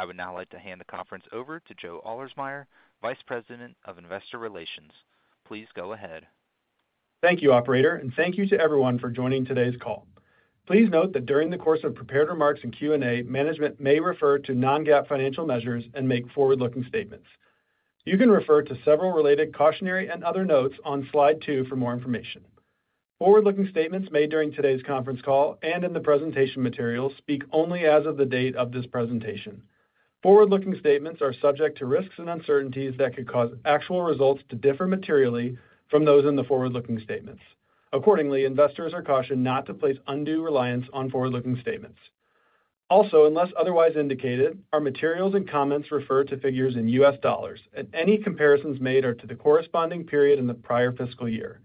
I would now like to hand the conference over to Joe Ahlersmeyer, Vice President of Investor Relations. Please go ahead. Thank you, Operator, and thank you to everyone for joining today's call. Please note that during the course of prepared remarks and Q&A, management may refer to non-GAAP financial measures and make forward-looking statements. You can refer to several related cautionary and other notes on slide 2 for more information. Forward-looking statements made during today's conference call and in the presentation materials speak only as of the date of this presentation. Forward-looking statements are subject to risks and uncertainties that could cause actual results to differ materially from those in the forward-looking statements. Accordingly, investors are cautioned not to place undue reliance on forward-looking statements. Also, unless otherwise indicated, our materials and comments refer to figures in U.S. dollars, and any comparisons made are to the corresponding period in the prior fiscal year.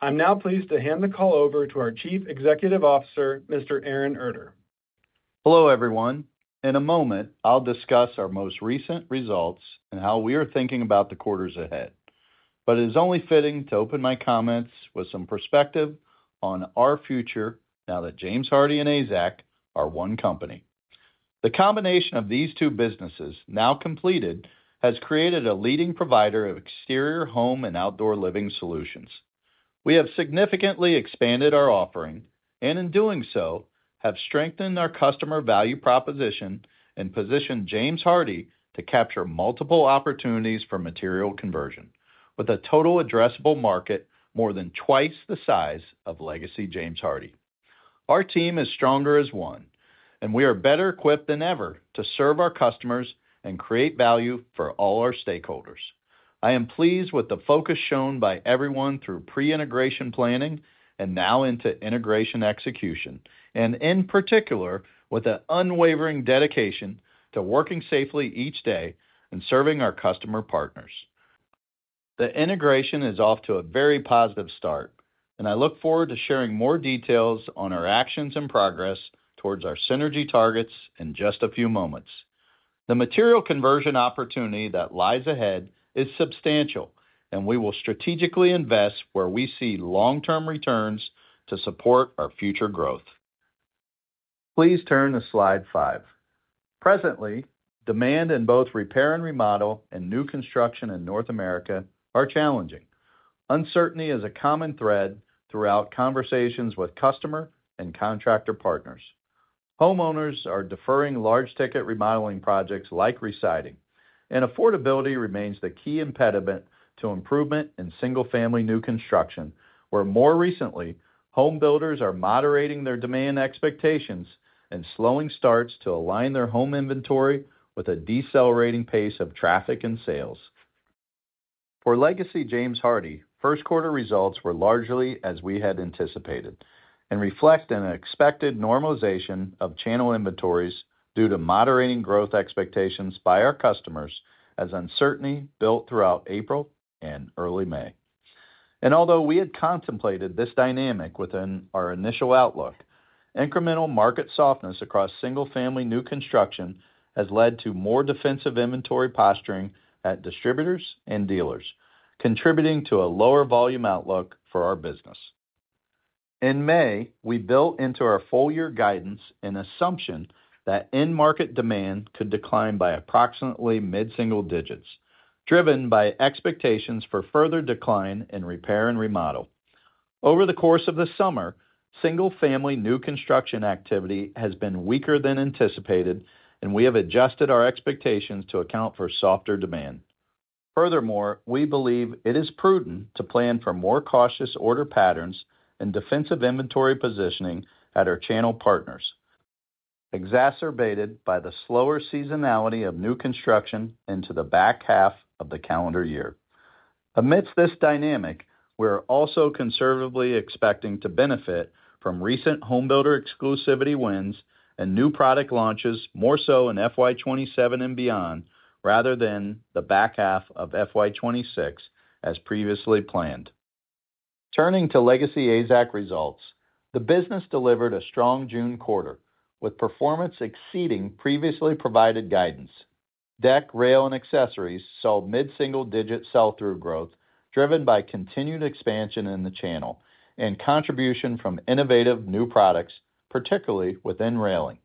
I'm now pleased to hand the call over to our Chief Executive Officer, Mr. Aaron Erter. Hello, everyone. In a moment, I'll discuss our most recent results and how we are thinking about the quarters ahead. It is only fitting to open my comments with some perspective on our future now that James Hardie and AZEK are one company. The combination of these two businesses, now completed, has created a leading provider of exterior home and outdoor living solutions. We have significantly expanded our offering and, in doing so, have strengthened our customer value proposition and positioned James Hardie to capture multiple opportunities for material conversion, with a total addressable market more than twice the size of legacy James Hardie. Our team is stronger as one, and we are better equipped than ever to serve our customers and create value for all our stakeholders. I am pleased with the focus shown by everyone through pre-integration planning and now into integration execution, in particular with the unwavering dedication to working safely each day and serving our customer partners. The integration is off to a very positive start, and I look forward to sharing more details on our actions and progress towards our synergy targets in just a few moments. The material conversion opportunity that lies ahead is substantial, and we will strategically invest where we see long-term returns to support our future growth. Please turn to slide 5. Presently, demand in both repair and remodel and new construction in North America are challenging. Uncertainty is a common thread throughout conversations with customer and contractor partners. Homeowners are deferring large-ticket remodeling projects like residing, and affordability remains the key impediment to improvement in single-family new construction, where more recently, home builders are moderating their demand expectations and slowing starts to align their home inventory with a decelerating pace of traffic and sales. For legacy James Hardie, first-quarter results were largely as we had anticipated and reflect an expected normalization of channel inventories due to moderating growth expectations by our customers as uncertainty built throughout April and early May. Although we had contemplated this dynamic within our initial outlook, incremental market softness across single-family new construction has led to more defensive inventory posturing at distributors and dealers, contributing to a lower volume outlook for our business. In May, we built into our full-year guidance an assumption that end-market demand could decline by approximately mid-single digits, driven by expectations for further decline in repair and remodel. Over the course of the summer, single-family new construction activity has been weaker than anticipated, and we have adjusted our expectations to account for softer demand. Furthermore, we believe it is prudent to plan for more cautious order patterns and defensive inventory positioning at our channel partners, exacerbated by the slower seasonality of new construction into the back half of the calendar year. Amidst this dynamic, we are also conservatively expecting to benefit from recent home builder exclusivity wins and new product launches more so in FY2027 and beyond rather than the back half of FY2026 as previously planned. Turning to legacy AZEK results, the business delivered a strong June quarter with performance exceeding previously provided guidance. Deck, rail, and accessories saw mid-single-digit sell-through growth driven by continued expansion in the channel and contribution from innovative new products, particularly within railing.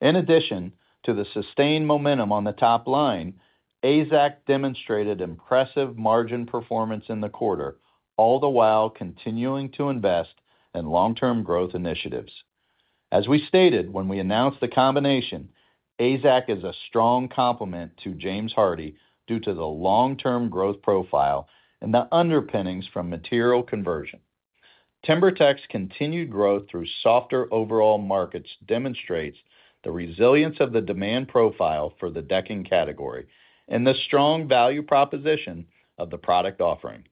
In addition to the sustained momentum on the top line, AZEK demonstrated impressive margin performance in the quarter, all the while continuing to invest in long-term growth initiatives. As we stated when we announced the combination, AZEK is a strong complement to James Hardie due to the long-term growth profile and the underpinnings from material conversion. TimberTech's continued growth through softer overall markets demonstrates the resilience of the demand profile for the decking category and the strong value proposition of the product offering.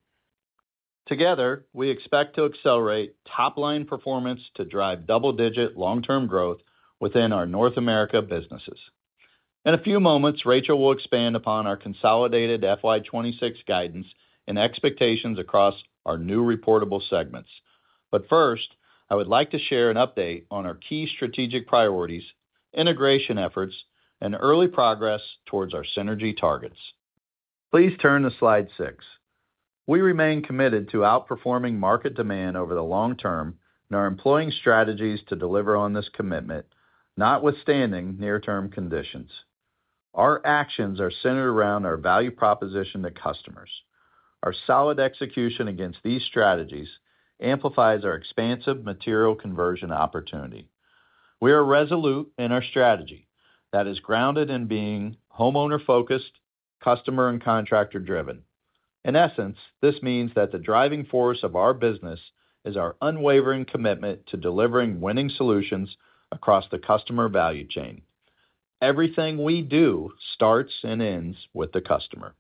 Together, we expect to accelerate top-line performance to drive double-digit long-term growth within our North America businesses. In a few moments, Rachel will expand upon our consolidated FY2026 guidance and expectations across our new reportable segments. First, I would like to share an update on our key strategic priorities, integration efforts, and early progress towards our synergy targets. Please turn to slide 6. We remain committed to outperforming market demand over the long term and are employing strategies to deliver on this commitment, notwithstanding near-term conditions. Our actions are centered around our value proposition to customers. Our solid execution against these strategies amplifies our expansive material conversion opportunity. We are resolute in our strategy that is grounded in being homeowner-focused, customer and contractor-driven. In essence, this means that the driving force of our business is our unwavering commitment to delivering winning solutions across the customer value chain. Everything we do starts and ends with the customer.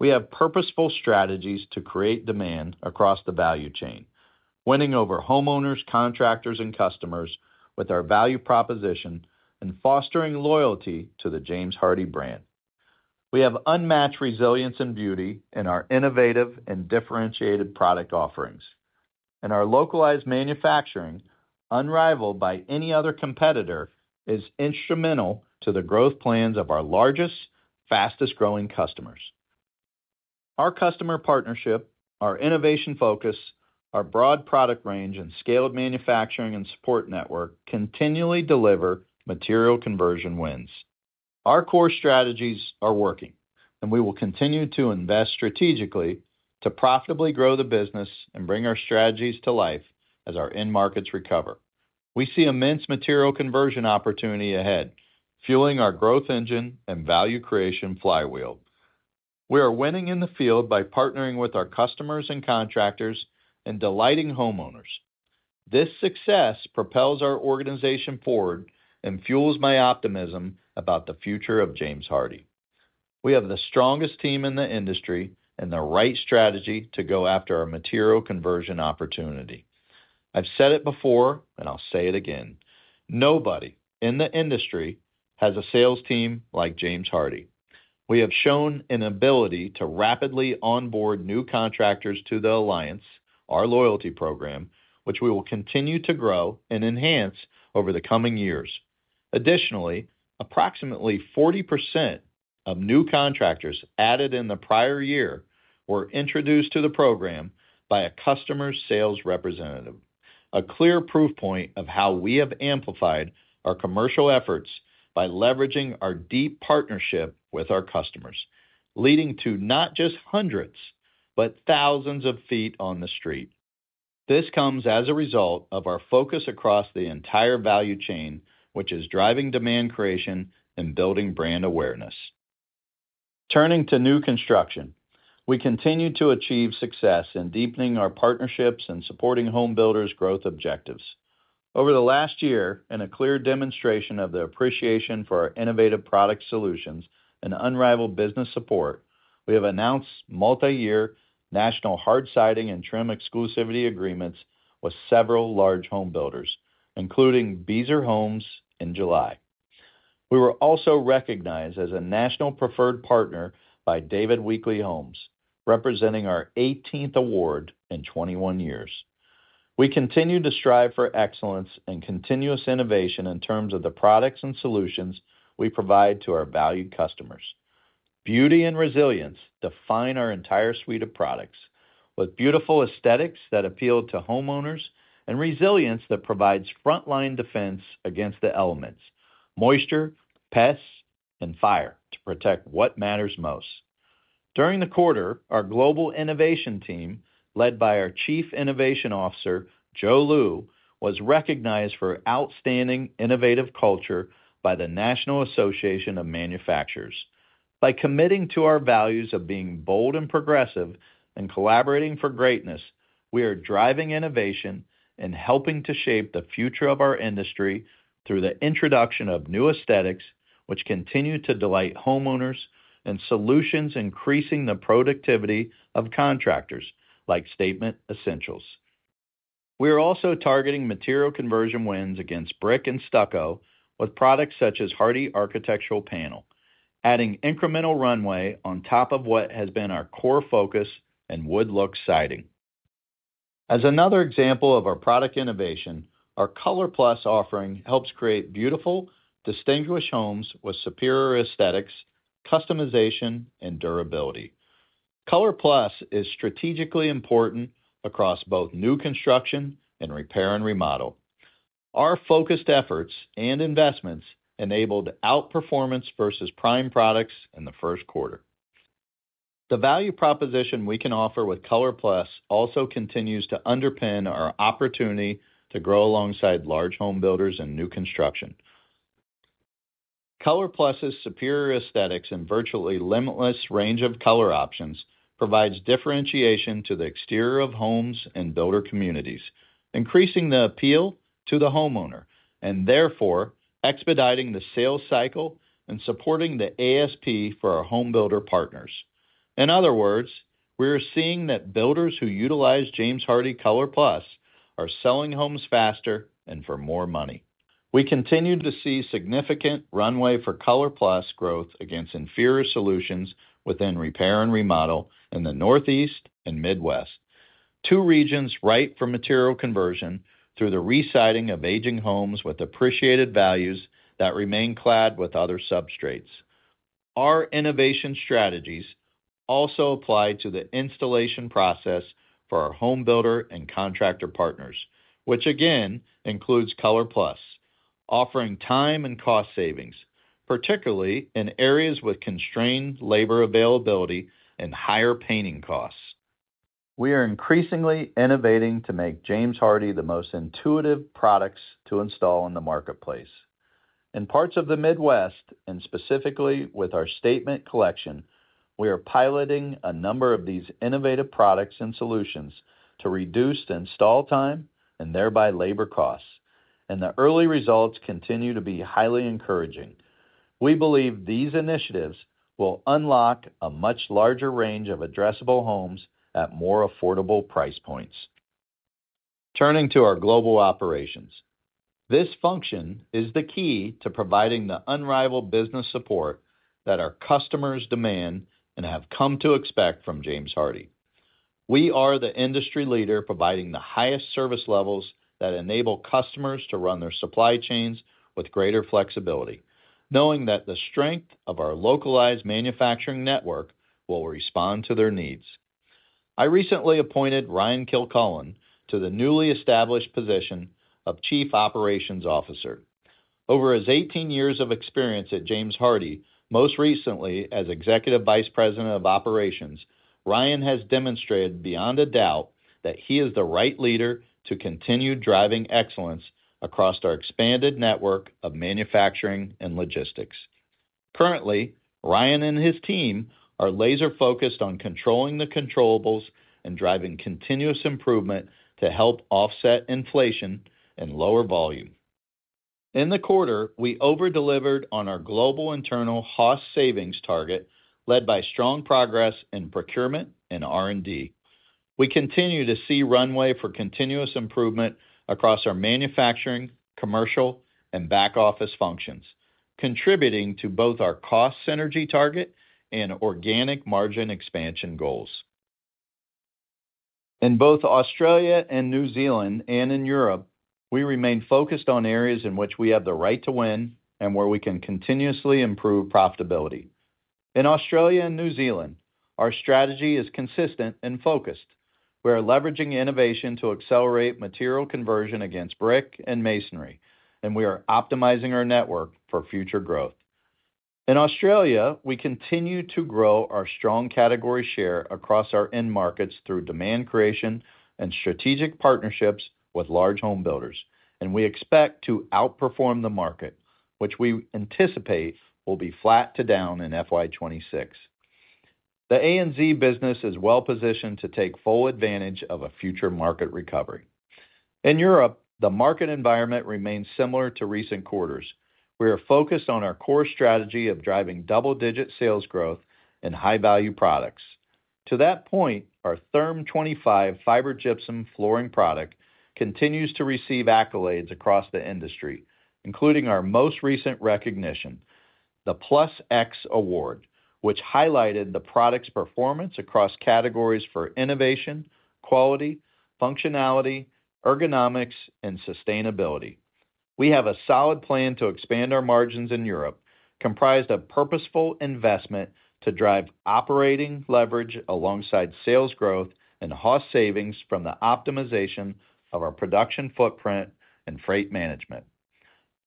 We have purposeful strategies to create demand across the value chain, winning over homeowners, contractors, and customers with our value proposition and fostering loyalty to the James Hardie brand. We have unmatched resilience and beauty in our innovative and differentiated product offerings, and our localized manufacturing, unrivaled by any other competitor, is instrumental to the growth plans of our largest, fastest-growing customers. Our customer partnership, our innovation focus, our broad product range, and scaled manufacturing and support network continually deliver material conversion wins. Our core strategies are working, and we will continue to invest strategically to profitably grow the business and bring our strategies to life as our end markets recover. We see immense material conversion opportunity ahead, fueling our growth engine and value creation flywheel. We are winning in the field by partnering with our customers and contractors and delighting homeowners. This success propels our organization forward and fuels my optimism about the future of James Hardie. We have the strongest team in the industry and the right strategy to go after our material conversion opportunity. I've said it before, and I'll say it again: nobody in the industry has a sales team like James Hardie. We have shown an ability to rapidly onboard new contractors to the Alliance, our loyalty program, which we will continue to grow and enhance over the coming years. Additionally, approximately 40% of new contractors added in the prior year were introduced to the program by a customer sales representative, a clear proof point of how we have amplified our commercial efforts by leveraging our deep partnership with our customers, leading to not just hundreds but thousands of feet on the street. This comes as a result of our focus across the entire value chain, which is driving demand creation and building brand awareness. Turning to new construction, we continue to achieve success in deepening our partnerships and supporting home builders' growth objectives. Over the last year, in a clear demonstration of their appreciation for our innovative product solutions and unrivaled business support, we have announced multi-year national hard siding and trim exclusivity agreements with several large home builders, including Beazer Homes, in July. We were also recognized as a national preferred partner by David Weekley Homes, representing our 18th award in 21 years. We continue to strive for excellence and continuous innovation in terms of the products and solutions we provide to our valued customers. Beauty and resilience define our entire suite of products, with beautiful aesthetics that appeal to homeowners and resilience that provides front-line defense against the elements, moisture, pests, and fire to protect what matters most. During the quarter, our global innovation team, led by our Chief Innovation Officer, Joe Liu, was recognized for outstanding innovative culture by the National Association of Manufacturers. By committing to our values of being bold and progressive and collaborating for greatness, we are driving innovation and helping to shape the future of our industry through the introduction of new aesthetics, which continue to delight homeowners, and solutions increasing the productivity of contractors like Statement Essentials. We are also targeting material conversion wins against brick and stucco with products such as Hardie Architectural Panel, adding incremental runway on top of what has been our core focus in wood-look siding. As another example of our product innovation, our ColorPlus Technology finishes offering helps create beautiful, distinguished homes with superior aesthetics, customization, and durability. ColorPlus Technology finishes is strategically important across both new construction and repair and remodel. Our focused efforts and investments enabled outperformance versus prime products in the first quarter. The value proposition we can offer with ColorPlus Technology finishes also continues to underpin our opportunity to grow alongside large home builders in new construction. ColorPlus Technology finishes' superior aesthetics and virtually limitless range of color options provide differentiation to the exterior of homes and builder communities, increasing the appeal to the homeowner and therefore expediting the sales cycle and supporting the ASP for our home builder partners. In other words, we are seeing that builders who utilize James Hardie ColorPlus Technology finishes are selling homes faster and for more money. We continue to see significant runway for ColorPlus growth against inferior solutions within repair and remodel in the Northeast and Midwest. Two regions ripe for material conversion through the residing of aging homes with appreciated values that remain clad with other substrates. Our innovation strategies also apply to the installation process for our home builder and contractor partners, which again includes ColorPlus, offering time and cost savings, particularly in areas with constrained labor availability and higher painting costs. We are increasingly innovating to make James Hardie the most intuitive products to install in the marketplace. In parts of the Midwest, and specifically with our Statement collection, we are piloting a number of these innovative products and solutions to reduce the install time and thereby labor costs, and the early results continue to be highly encouraging. We believe these initiatives will unlock a much larger range of addressable homes at more affordable price points. Turning to our global operations, this function is the key to providing the unrivaled business support that our customers demand and have come to expect from James Hardie. We are the industry leader providing the highest service levels that enable customers to run their supply chains with greater flexibility, knowing that the strength of our localized manufacturing network will respond to their needs. I recently appointed Ryan Kilcullen to the newly established position of Chief Operations Officer. Over his 18 years of experience at James Hardie, most recently as Executive Vice President of Operations, Ryan has demonstrated beyond a doubt that he is the right leader to continue driving excellence across our expanded network of manufacturing and logistics. Currently, Ryan and his team are laser-focused on controlling the controllables and driving continuous improvement to help offset inflation and lower volume. In the quarter, we overdelivered on our global internal cost savings target, led by strong progress in procurement and R&D. We continue to see runway for continuous improvement across our manufacturing, commercial, and back-office functions, contributing to both our cost synergy target and organic margin expansion goals. In both Australia and New Zealand and in Europe, we remain focused on areas in which we have the right to win and where we can continuously improve profitability. In Australia and New Zealand, our strategy is consistent and focused. We are leveraging innovation to accelerate material conversion against brick and masonry, and we are optimizing our network for future growth. In Australia, we continue to grow our strong category share across our end markets through demand creation and strategic partnerships with large home builders, and we expect to outperform the market, which we anticipate will be flat to down in FY2026. The ANZ business is well-positioned to take full advantage of a future market recovery. In Europe, the market environment remains similar to recent quarters. We are focused on our core strategy of driving double-digit sales growth and high-value products. To that point, our Therm25 fiber gypsum flooring product continues to receive accolades across the industry, including our most recent recognition, the Plus X Award, which highlighted the product's performance across categories for innovation, quality, functionality, ergonomics, and sustainability. We have a solid plan to expand our margins in Europe, comprised of purposeful investment to drive operating leverage alongside sales growth and cost savings from the optimization of our production footprint and freight management.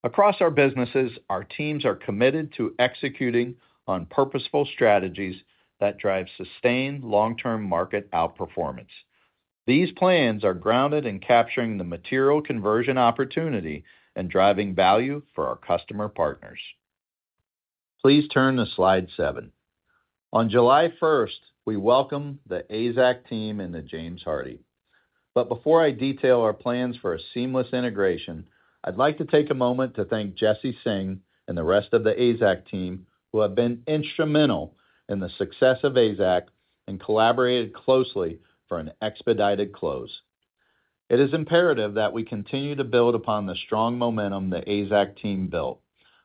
Across our businesses, our teams are committed to executing on purposeful strategies that drive sustained long-term market outperformance. These plans are grounded in capturing the material conversion opportunity and driving value for our customer partners. Please turn to slide 7. On July 1, we welcome the AZEK team into James Hardie. Before I detail our plans for a seamless integration, I'd like to take a moment to thank Jesse Singh and the rest of the AZEK team who have been instrumental in the success of AZEK and collaborated closely for an expedited close. It is imperative that we continue to build upon the strong momentum the AZEK team built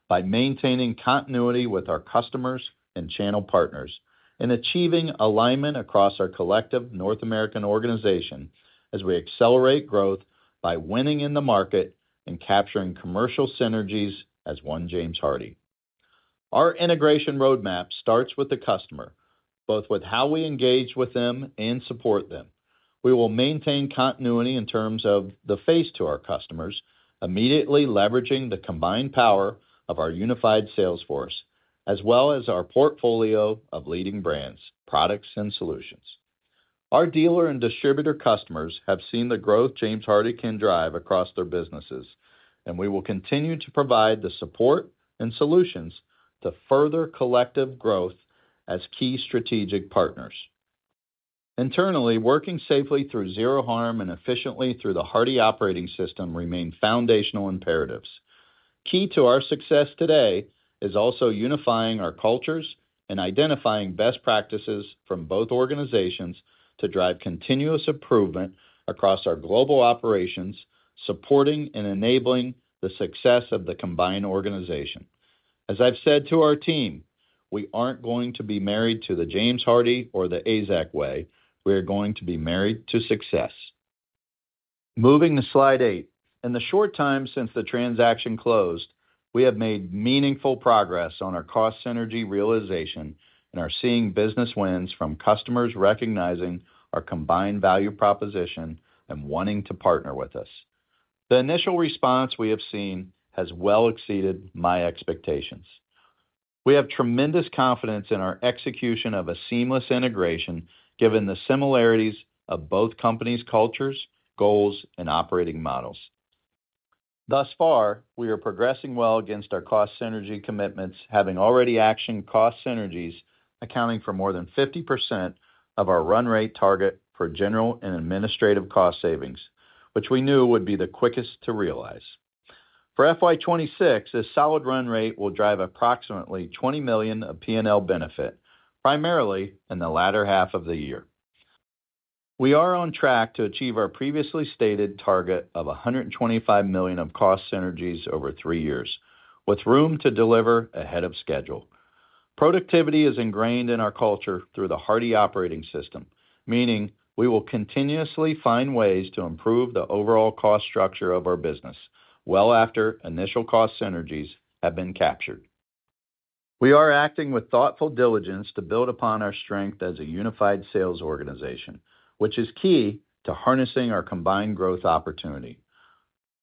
by maintaining continuity with our customers and channel partners and achieving alignment across our collective North American organization as we accelerate growth by winning in the market and capturing commercial synergies as one James Hardie. Our integration roadmap starts with the customer, both with how we engage with them and support them. We will maintain continuity in terms of the face to our customers, immediately leveraging the combined power of our unified sales force, as well as our portfolio of leading brands, products, and solutions. Our dealer and distributor customers have seen the growth James Hardie can drive across their businesses, and we will continue to provide the support and solutions to further collective growth as key strategic partners. Internally, working safely through zero harm and efficiently through the Hardie Operating System remain foundational imperatives. Key to our success today is also unifying our cultures and identifying best practices from both organizations to drive continuous improvement across our global operations, supporting and enabling the success of the combined organization. As I've said to our team, we aren't going to be married to the James Hardie or the AZEK way. We are going to be married to success. Moving to slide 8. In the short time since the transaction closed, we have made meaningful progress on our cost synergy realization and are seeing business wins from customers recognizing our combined value proposition and wanting to partner with us. The initial response we have seen has well exceeded my expectations. We have tremendous confidence in our execution of a seamless integration, given the similarities of both companies' cultures, goals, and operating models. Thus far, we are progressing well against our cost synergy commitments, having already actioned cost synergies, accounting for more than 50% of our run-rate target for general and administrative cost savings, which we knew would be the quickest to realize. For FY2026, this solid run-rate will drive approximately $20 million of P&L benefit, primarily in the latter half of the year. We are on track to achieve our previously stated target of $125 million of cost synergies over three years, with room to deliver ahead of schedule. Productivity is ingrained in our culture through the Hardie Operating System, meaning we will continuously find ways to improve the overall cost structure of our business well after initial cost synergies have been captured. We are acting with thoughtful diligence to build upon our strength as a unified sales organization, which is key to harnessing our combined growth opportunity.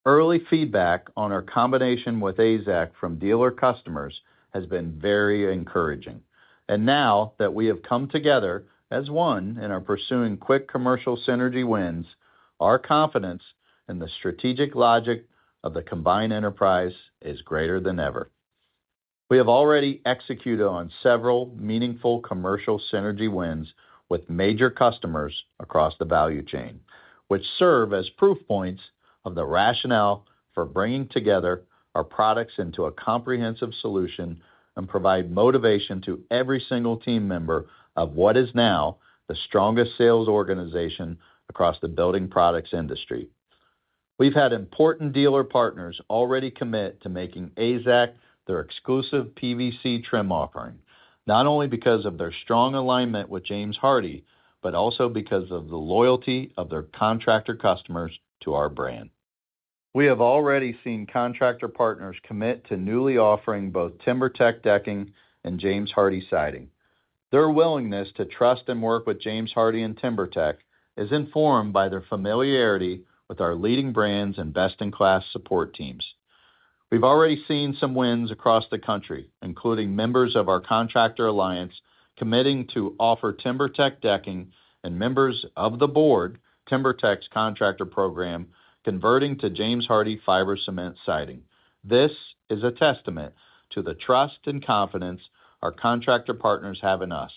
Early feedback on our combination with AZEK from dealer customers has been very encouraging, and now that we have come together as one in our pursuing quick commercial synergy wins, our confidence in the strategic logic of the combined enterprise is greater than ever. We have already executed on several meaningful commercial synergy wins with major customers across the value chain, which serve as proof points of the rationale for bringing together our products into a comprehensive solution and provide motivation to every single team member of what is now the strongest sales organization across the building products industry. We've had important dealer partners already commit to making AZEK their exclusive PVC trim offering, not only because of their strong alignment with James Hardie, but also because of the loyalty of their contractor customers to our brand. We have already seen contractor partners commit to newly offering both TimberTech decking and James Hardie siding. Their willingness to trust and work with James Hardie and TimberTech is informed by their familiarity with our leading brands and best-in-class support teams. We've already seen some wins across the country, including members of our contractor alliance committing to offer TimberTech decking and members of the Board of TimberTech's contractor program converting to James Hardie fiber cement siding. This is a testament to the trust and confidence our contractor partners have in us,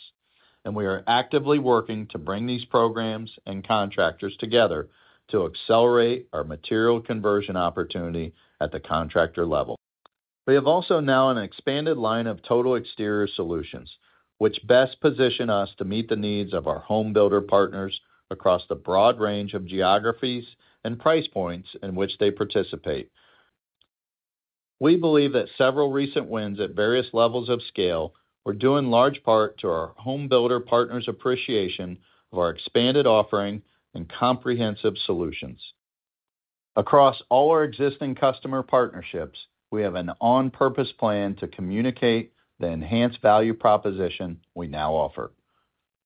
and we are actively working to bring these programs and contractors together to accelerate our material conversion opportunity at the contractor level. We have also now an expanded line of Total Exterior Solutions, which best position us to meet the needs of our home builder partners across the broad range of geographies and price points in which they participate. We believe that several recent wins at various levels of scale were due in large part to our home builder partners' appreciation of our expanded offering and comprehensive solutions. Across all our existing customer partnerships, we have an on-purpose plan to communicate the enhanced value proposition we now offer.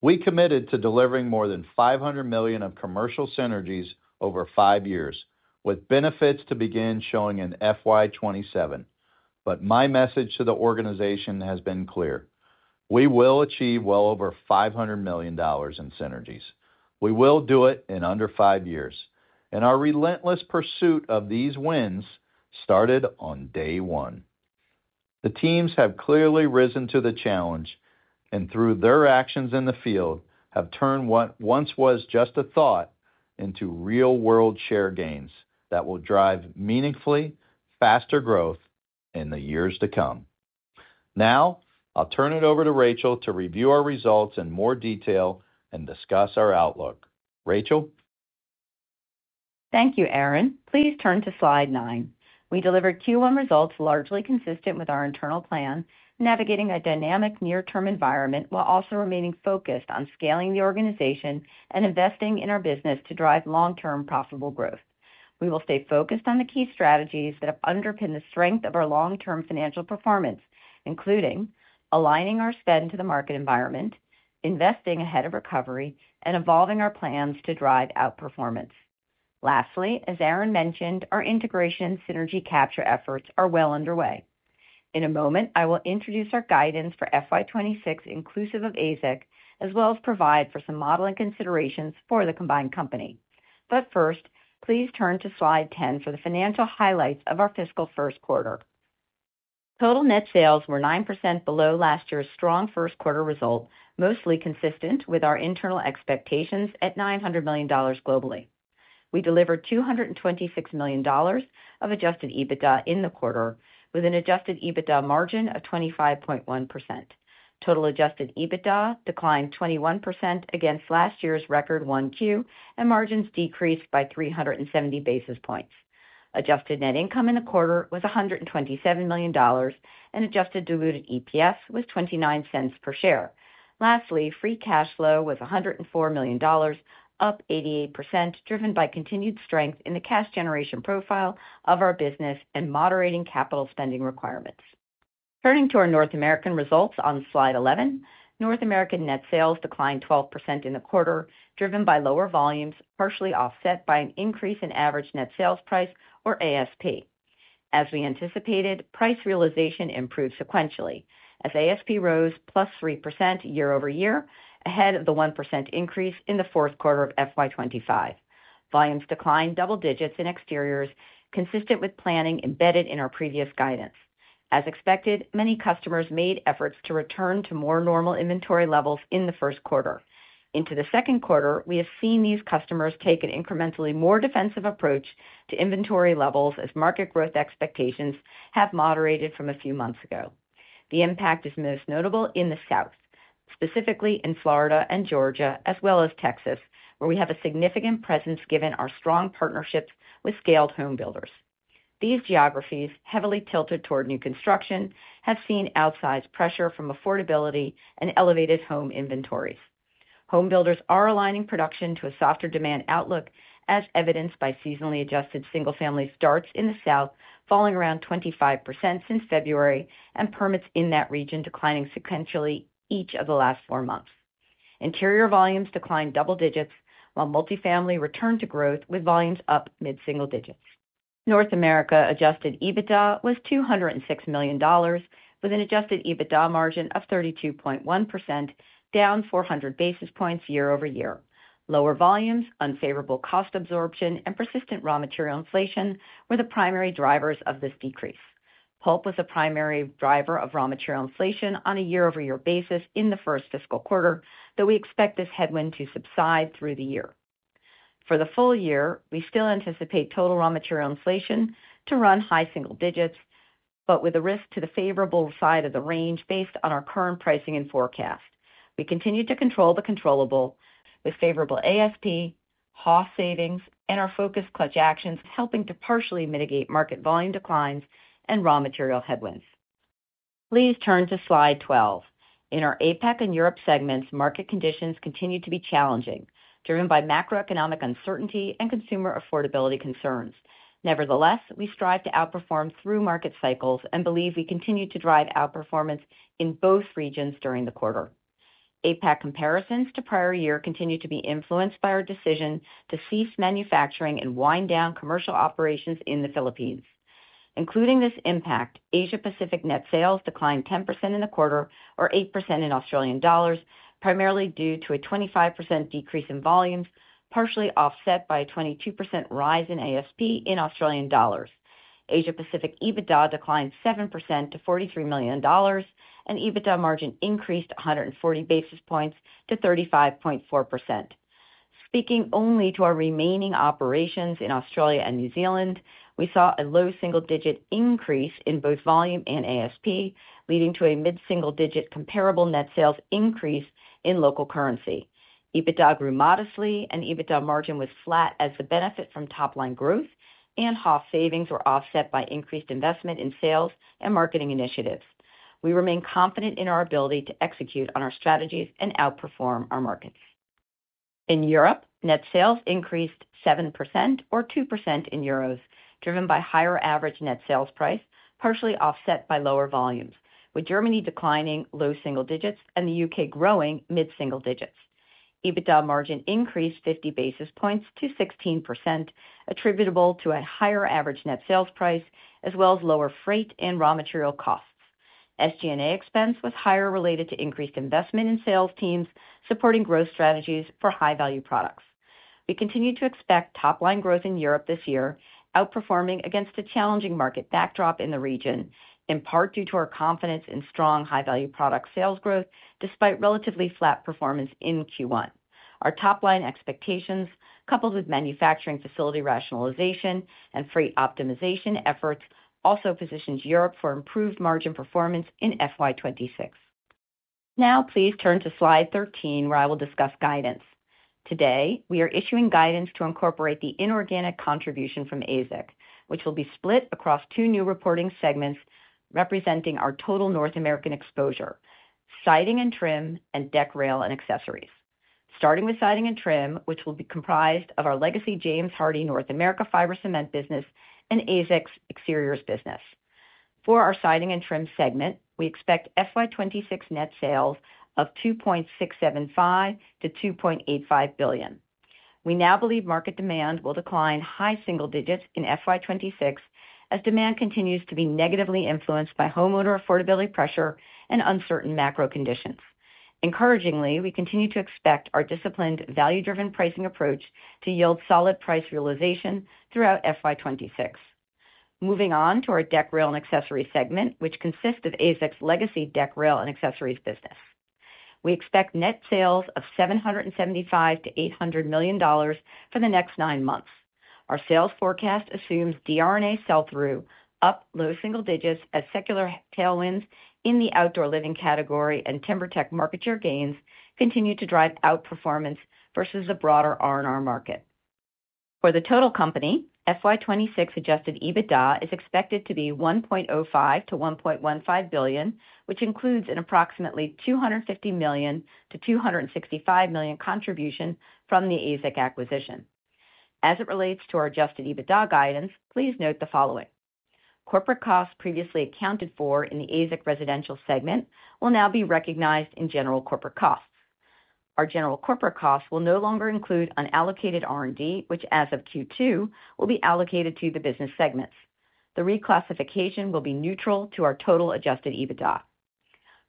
We committed to delivering more than $500 million of commercial synergies over five years, with benefits to begin showing in FY2027, but my message to the organization has been clear: we will achieve well over $500 million in synergies. We will do it in under five years, and our relentless pursuit of these wins started on day one. The teams have clearly risen to the challenge, and through their actions in the field have turned what once was just a thought into real-world share gains that will drive meaningfully faster growth in the years to come. Now, I'll turn it over to Rachel to review our results in more detail and discuss our outlook. Rachel? Thank you, Aaron. Please turn to slide 9. We delivered Q1 results largely consistent with our internal plan, navigating a dynamic near-term environment while also remaining focused on scaling the organization and investing in our business to drive long-term profitable growth. We will stay focused on the key strategies that have underpinned the strength of our long-term financial performance, including aligning our spend to the market environment, investing ahead of recovery, and evolving our plans to drive outperformance. Lastly, as Aaron mentioned, our integration and synergy capture efforts are well underway. In a moment, I will introduce our guidance for FY2026 inclusive of AZEK, as well as provide for some modeling considerations for the combined company. First, please turn to slide 10 for the financial highlights of our fiscal first quarter. Total net sales were 9% below last year's strong first-quarter result, mostly consistent with our internal expectations at $900 million globally. We delivered $226 million of adjusted EBITDA in the quarter, with an adjusted EBITDA margin of 25.1%. Total adjusted EBITDA declined 21% against last year's record Q1, and margins decreased by 370 basis points. Adjusted net income in the quarter was $127 million, and adjusted diluted EPS was $0.29 per share. Lastly, free cash flow was $104 million, up 88%, driven by continued strength in the cash generation profile of our business and moderating capital spending requirements. Turning to our North American results on slide 11, North American net sales declined 12% in the quarter, driven by lower volumes partially offset by an increase in average net sales price, or ASP. As we anticipated, price realization improved sequentially, as ASP rose +3% year-over-year, ahead of the 1% increase in the fourth quarter of FY2025. Volumes declined double digits in exteriors, consistent with planning embedded in our previous guidance. As expected, many customers made efforts to return to more normal inventory levels in the first quarter. Into the second quarter, we have seen these customers take an incrementally more defensive approach to inventory levels as market growth expectations have moderated from a few months ago. The impact is most notable in the South, specifically in Florida and Georgia, as well as Texas, where we have a significant presence given our strong partnerships with scaled home builders. These geographies, heavily tilted toward new construction, have seen outsized pressure from affordability and elevated home inventories. Home builders are aligning production to a softer demand outlook, as evidenced by seasonally adjusted single-family starts in the South falling around 25% since February and permits in that region declining sequentially each of the last four months. Interior volumes declined double digits, while multifamily returned to growth with volumes up mid-single digits. North America adjusted EBITDA was $206 million, with an adjusted EBITDA margin of 32.1%, down 400 basis points year-over-year. Lower volumes, unfavorable cost absorption, and persistent raw material inflation were the primary drivers of this decrease. Pulp was a primary driver of raw material inflation on a year-over-year basis in the first fiscal quarter, though we expect this headwind to subside through the year. For the full year, we still anticipate total raw material inflation to run high single digits, but with a risk to the favorable side of the range based on our current pricing and forecast. We continue to control the controllable with favorable ASP, cost savings, and our focused clutch actions helping to partially mitigate market volume declines and raw material headwinds. Please turn to slide 12. In our APAC and Europe segments, market conditions continue to be challenging, driven by macroeconomic uncertainty and consumer affordability concerns. Nevertheless, we strive to outperform through market cycles and believe we continue to drive outperformance in both regions during the quarter. APAC comparisons to prior year continue to be influenced by our decision to cease manufacturing and wind down commercial operations in the Philippines. Including this impact, Asia-Pacific net sales declined 10% in the quarter, or 8% in Australian dollars, primarily due to a 25% decrease in volumes, partially offset by a 22% rise in ASP in Australian dollars. Asia-Pacific EBITDA declined 7% to $43 million, and EBITDA margin increased 140 basis points to 35.4%. Speaking only to our remaining operations in Australia and New Zealand, we saw a low single-digit increase in both volume and ASP, leading to a mid-single-digit comparable net sales increase in local currency. EBITDA grew modestly, and EBITDA margin was flat as the benefit from top-line growth and cost savings were offset by increased investment in sales and marketing initiatives. We remain confident in our ability to execute on our strategies and outperform our markets. In Europe, net sales increased 7%, or 2% in euros, driven by higher average net sales price, partially offset by lower volumes, with Germany declining low single digits and the U.K. growing mid-single digits. EBITDA margin increased 50 basis points to 16%, attributable to a higher average net sales price, as well as lower freight and raw material costs. SG&A expense was higher related to increased investment in sales teams supporting growth strategies for high-value products. We continue to expect top-line growth in Europe this year, outperforming against a challenging market backdrop in the region, in part due to our confidence in strong high-value product sales growth despite relatively flat performance in Q1. Our top-line expectations, coupled with manufacturing facility rationalization and freight optimization efforts, also position Europe for improved margin performance in FY2026. Now, please turn to slide 13, where I will discuss guidance. Today, we are issuing guidance to incorporate the inorganic contribution from AZEK, which will be split across two new reporting segments representing our total North American exposure: siding and trim, and deck, rail, and accessories. Starting with siding and trim, which will be comprised of our legacy James Hardie North America fiber cement business and AZEK's exteriors business. For our siding and trim segment, we expect FY2026 net sales of $2.675 billion-$2.85 billion. We now believe market demand will decline high single digits in FY2026 as demand continues to be negatively influenced by homeowner affordability pressure and uncertain macro conditions. Encouragingly, we continue to expect our disciplined, value-driven pricing approach to yield solid price realization throughout FY2026. Moving on to our deck, rail, and accessories segment, which consists of AZEK's legacy deck, rail, and accessories business. We expect net sales of $775 million-$800 million for the next nine months. Our sales forecast assumes DRNA sell-through, up low single digits as secular tailwinds in the outdoor living category and TimberTech market share gains continue to drive outperformance versus the broader R&R market. For the total company, FY2026 adjusted EBITDA is expected to be $1.05 billion-$1.15 billion, which includes an approximately $250 million-$265 million contribution from the AZEK acquisition. As it relates to our adjusted EBITDA guidance, please note the following. Corporate costs previously accounted for in the AZEK residential segment will now be recognized in general corporate costs. Our general corporate costs will no longer include unallocated R&D, which as of Q2 will be allocated to the business segments. The reclassification will be neutral to our total adjusted EBITDA.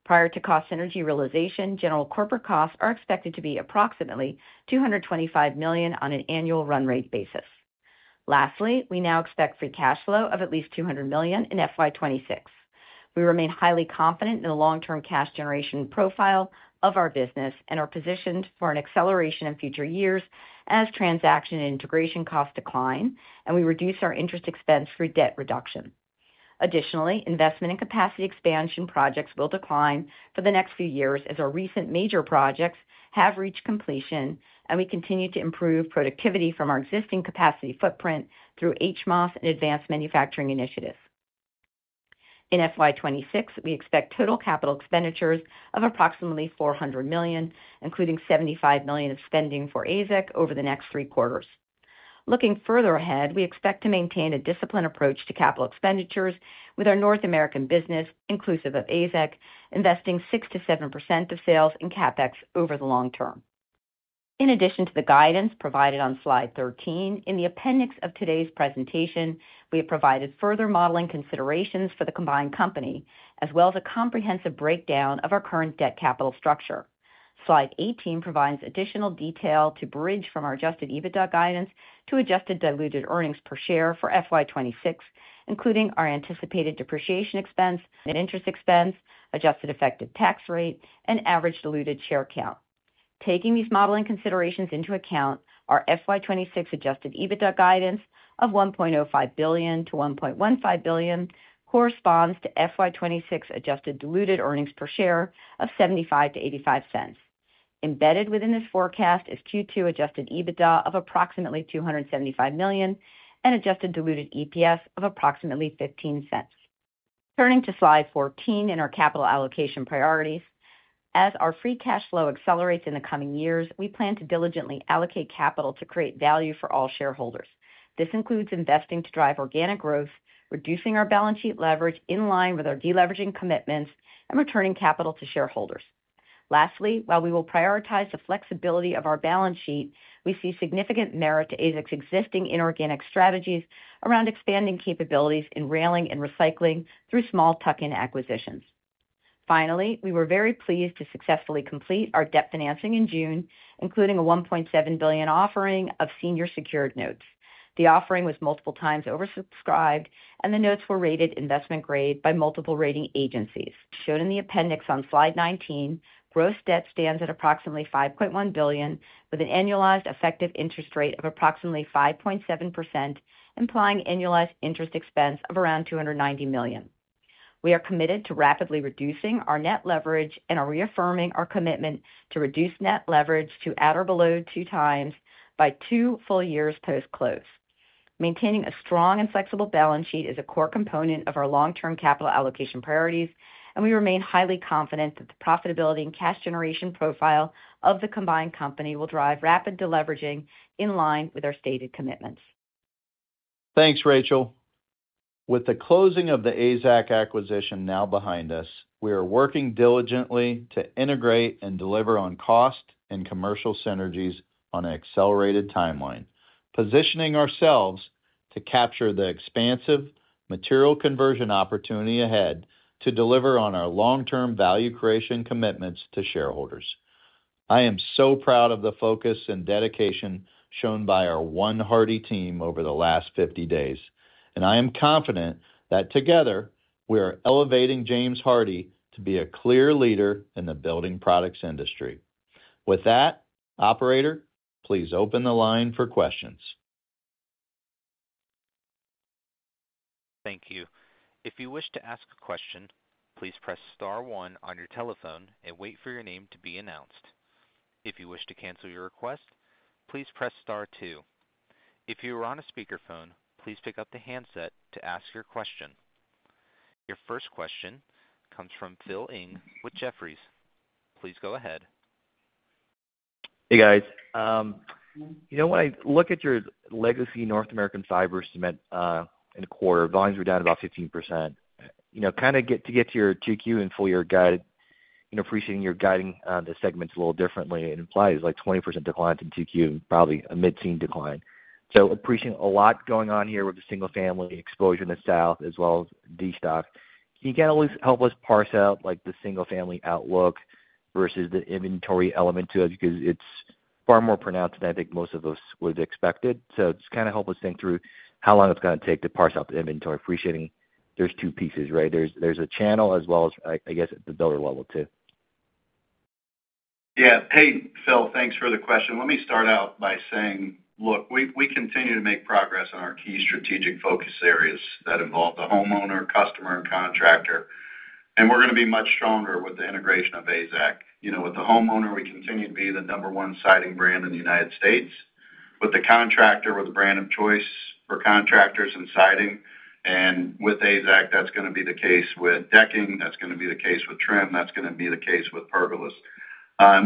Prior to cost synergy realization, general corporate costs are expected to be approximately $225 million on an annual run rate basis. Lastly, we now expect free cash flow of at least $200 million in FY2026. We remain highly confident in the long-term cash generation profile of our business and are positioned for an acceleration in future years as transaction and integration costs decline, and we reduce our interest expense through debt reduction. Additionally, investment and capacity expansion projects will decline for the next few years as our recent major projects have reached completion, and we continue to improve productivity from our existing capacity footprint through the Hardie Operating System and advanced manufacturing initiatives. In FY2026, we expect total capital expenditures of approximately $400 million, including $75 million of spending for AZEK over the next three quarters. Looking further ahead, we expect to maintain a disciplined approach to capital expenditures with our North American business, inclusive of AZEK, investing 6%-7% of sales in CapEx over the long term. In addition to the guidance provided on slide 13, in the appendix of today's presentation, we have provided further modeling considerations for the combined company, as well as a comprehensive breakdown of our current debt capital structure. Slide 18 provides additional detail to bridge from our adjusted EBITDA guidance to adjusted diluted earnings per share for FY2026, including our anticipated depreciation expense and interest expense, adjusted effective tax rate, and average diluted share count. Taking these modeling considerations into account, our FY2026 adjusted EBITDA guidance of $1.05 billion-$1.15 billion corresponds to FY2026 adjusted diluted earnings per share of $0.75-$0.85. Embedded within this forecast is Q2 adjusted EBITDA of approximately $275 million and adjusted diluted EPS of approximately $0.15. Turning to slide 14 in our capital allocation priorities, as our free cash flow accelerates in the coming years, we plan to diligently allocate capital to create value for all shareholders. This includes investing to drive organic growth, reducing our balance sheet leverage in line with our deleveraging commitments, and returning capital to shareholders. Lastly, while we will prioritize the flexibility of our balance sheet, we see significant merit to AZEK Company's existing inorganic strategies around expanding capabilities in railing and recycling through small tuck-in acquisitions. Finally, we were very pleased to successfully complete our debt financing in June, including a $1.7 billion offering of senior secured notes. The offering was multiple times oversubscribed, and the notes were rated investment grade by multiple rating agencies. Shown in the appendix on slide 19, gross debt stands at approximately $5.1 billion, with an annualized effective interest rate of approximately 5.7%, implying annualized interest expense of around $290 million. We are committed to rapidly reducing our net leverage and are reaffirming our commitment to reduce net leverage to at or below 2x by two full years post-close. Maintaining a strong and flexible balance sheet is a core component of our long-term capital allocation priorities, and we remain highly confident that the profitability and cash generation profile of the combined company will drive rapid deleveraging in line with our stated commitments. Thanks, Rachel. With the closing of the AZEK acquisition now behind us, we are working diligently to integrate and deliver on cost and commercial synergies on an accelerated timeline, positioning ourselves to capture the expansive material conversion opportunity ahead to deliver on our long-term value creation commitments to shareholders. I am so proud of the focus and dedication shown by our one Hardie team over the last 50 days, and I am confident that together we are elevating James Hardie to be a clear leader in the building products industry. With that, Operator, please open the line for questions. Thank you. If you wish to ask a question, please press star one on your telephone and wait for your name to be announced. If you wish to cancel your request, please press star two. If you are on a speakerphone, please pick up the handset to ask your question. Your first question comes from Phil Ng with Jefferies. Please go ahead. Hey, guys. You know, when I look at your legacy North American fiber cement in quarter, volumes were down about 15%. You know, to get to your 2Q and full-year guide, appreciating you're guiding the segments a little differently, it implies like a 20% decline to 2Q and probably a mid-season decline. Appreciating a lot going on here with the single-family exposure in the South as well as the destock, can you help us parse out the single-family outlook versus the inventory element to it? Because it's far more pronounced than I think most of us would have expected. Just help us think through how long it's going to take to parse out the inventory, appreciating there's two pieces, right? There's a channel as well as, I guess, at the builder level too. Yeah. Hey, Phil, thanks for the question. Let me start out by saying, look, we continue to make progress on our key strategic focus areas that involve the homeowner, customer, and contractor, and we're going to be much stronger with the integration of AZEK. You know, with the homeowner, we continue to be the number one siding brand in the United States. With the contractor, we're the brand of choice for contractors in siding, and with AZEK, that's going to be the case with decking, that's going to be the case with trim, that's going to be the case with pergolas.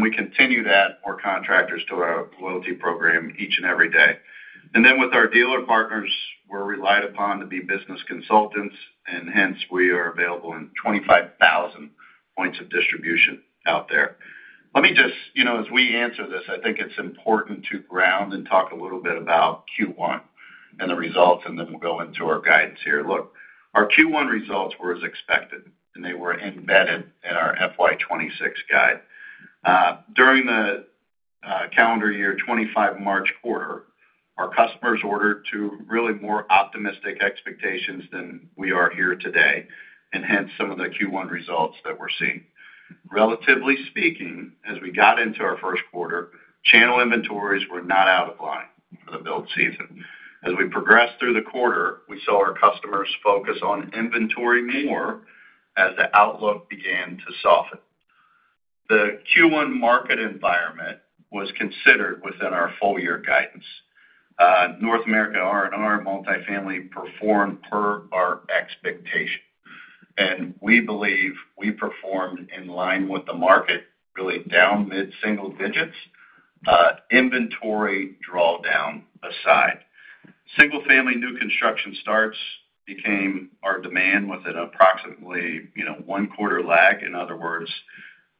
We continue to add more contractors to our loyalty program each and every day. With our dealer partners, we're relied upon to be business consultants, and hence we are available in 25,000 points of distribution out there. Let me just, as we answer this, I think it's important to ground and talk a little bit about Q1 and the results and then go into our guidance here. Look, our Q1 results were as expected, and they were embedded in our FY2026 guide. During the calendar year 2025 March quarter, our customers ordered to really more optimistic expectations than we are here today, and hence some of the Q1 results that we're seeing. Relatively speaking, as we got into our first quarter, channel inventories were not out of line for the build season. As we progressed through the quarter, we saw our customers focus on inventory more as the outlook began to soften. The Q1 market environment was considered within our full-year guidance. North America R&R multifamily performed per our expectation, and we believe we performed in line with the market really down mid-single digits, inventory drawdown aside. Single-family new construction starts became our demand with an approximately, you know, one-quarter lag. In other words,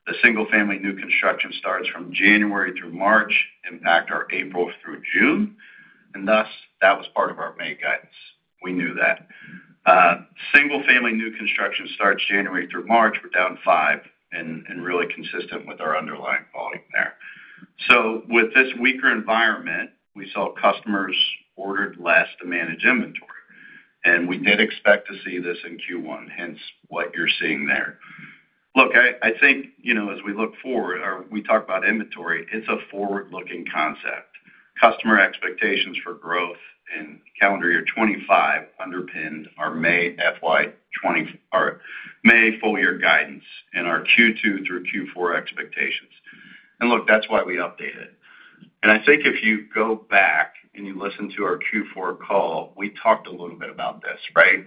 the single-family new construction starts from January through March impact our April through June, and thus that was part of our main guidance. We knew that. Single-family new construction starts January through March were down 5% and really consistent with our underlying volume there. With this weaker environment, we saw customers ordered less to manage inventory, and we did expect to see this in Q1, hence what you're seeing there. Look, I think, as we look forward, or we talk about inventory, it's a forward-looking concept. Customer expectations for growth in calendar year 2025 underpinned our May full-year guidance and our Q2 through Q4 expectations. That's why we update it. If you go back and you listen to our Q4 call, we talked a little bit about this, right?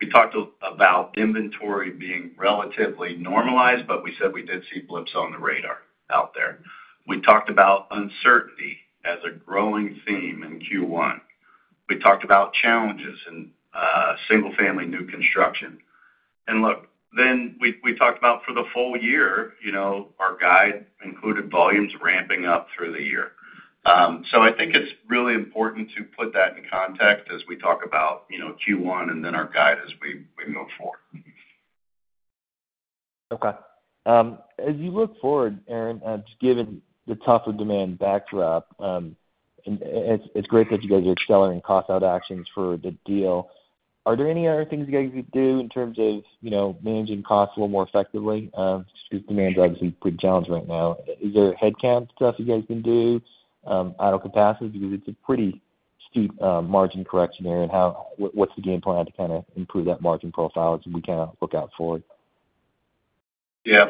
We talked about inventory being relatively normalized, but we said we did see blips on the radar out there. We talked about uncertainty as a growing theme in Q1. We talked about challenges in single-family new construction. For the full year, our guide included volumes ramping up through the year. I think it's really important to put that in context as we talk about Q1 and then our guide as we move forward. Okay. As you look forward, Aaron, just given the tougher demand backdrop, and it's great that you guys are accelerating cost out actions for the deal, are there any other things you guys could do in terms of, you know, managing costs a little more effectively? Just because demand's obviously pretty challenging right now. Is there headcount stuff you guys can do, adding capacity? It's a pretty steep margin correction there, and what's the game plan to kind of improve that margin profile as we kind of look out forward? Yeah,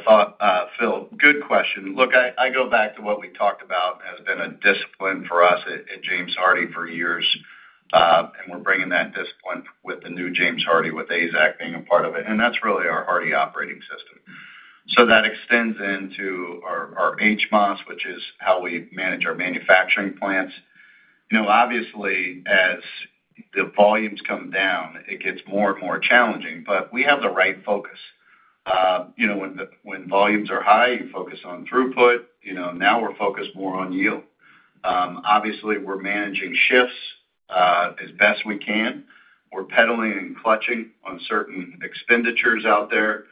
Phil, good question. Look, I go back to what we talked about has been a discipline for us at James Hardie for years, and we're bringing that discipline with the new James Hardie with AZEK being a part of it, and that's really our Hardie Operating System. That extends into our HMOS, which is how we manage our manufacturing plants. Obviously, as the volumes come down, it gets more and more challenging, but we have the right focus. When volumes are high, you focus on throughput. Now we're focused more on yield. Obviously, we're managing shifts as best we can. We're pedaling and clutching on certain expenditures out there.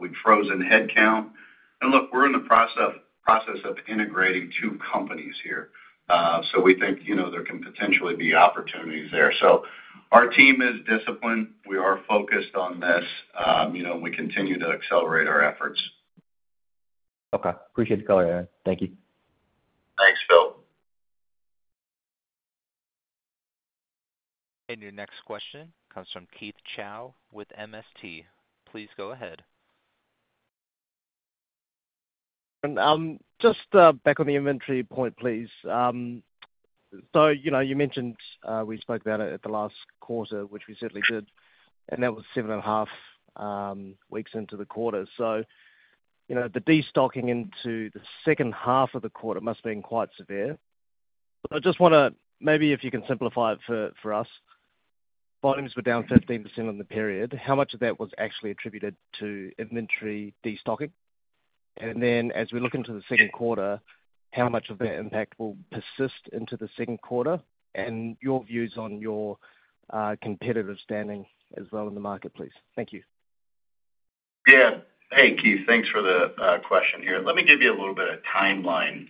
We've frozen headcount. We're in the process of integrating two companies here. We think there can potentially be opportunities there. Our team is disciplined. We are focused on this, and we continue to accelerate our efforts. Okay. Appreciate the color, Aaron. Thank you. Thanks, Phil. Your next question comes from Keith Chau with MST. Please go ahead. Just back on the inventory point, please. You mentioned we spoke about it at the last quarter, which we certainly did, and that was seven and a half weeks into the quarter. The destocking into the second half of the quarter must have been quite severe. I just want to, maybe if you can simplify it for us, volumes were down 15% in the period. How much of that was actually attributed to inventory destocking? As we look into the second quarter, how much of that impact will persist into the second quarter? Your views on your competitive standing as well in the market, please. Thank you. Yeah, thank you. Thanks for the question here. Let me give you a little bit of a timeline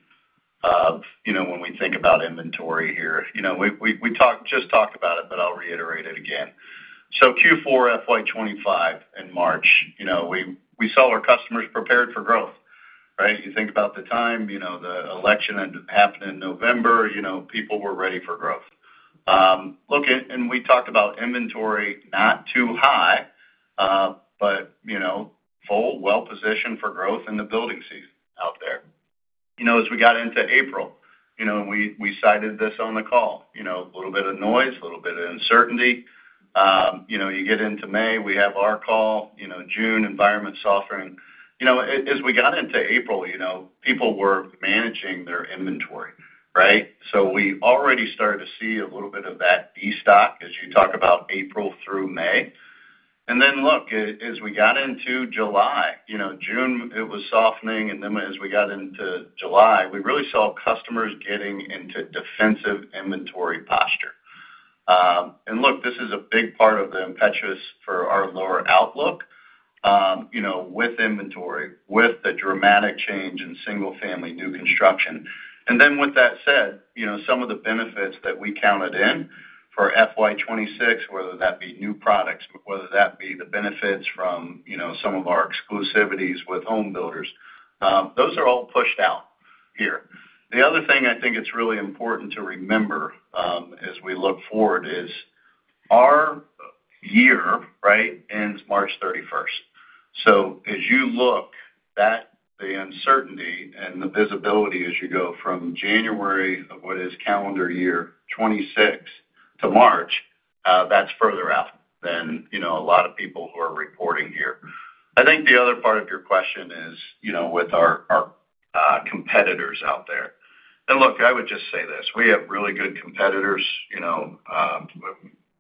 of, you know, when we think about inventory here. We talked, just talked about it, but I'll reiterate it again. Q4 FY2025 in March, we saw our customers prepared for growth, right? You think about the time, the election happened in November, people were ready for growth. Look at, and we talked about inventory not too high, but full, well-positioned for growth in the building season out there. As we got into April, we cited this on the call, a little bit of noise, a little bit of uncertainty. You get into May, we have our call, June, environment softening. As we got into April, people were managing their inventory, right? We already started to see a little bit of that destock as you talk about April through May. As we got into July, June, it was softening, and as we got into July, we really saw customers getting into defensive inventory posture. This is a big part of the impetus for our lower outlook, with inventory, with the dramatic change in single-family new construction. With that said, some of the benefits that we counted in for FY2026, whether that be new products, whether that be the benefits from some of our exclusivities with home builders, those are all pushed out here. The other thing I think it's really important to remember as we look forward is our year ends March 31. As you look at the uncertainty and the visibility as you go from January of what is calendar year 2026 to March, that's further out than a lot of people who are reporting here. I think the other part of your question is with our competitors out there. I would just say this, we have really good competitors,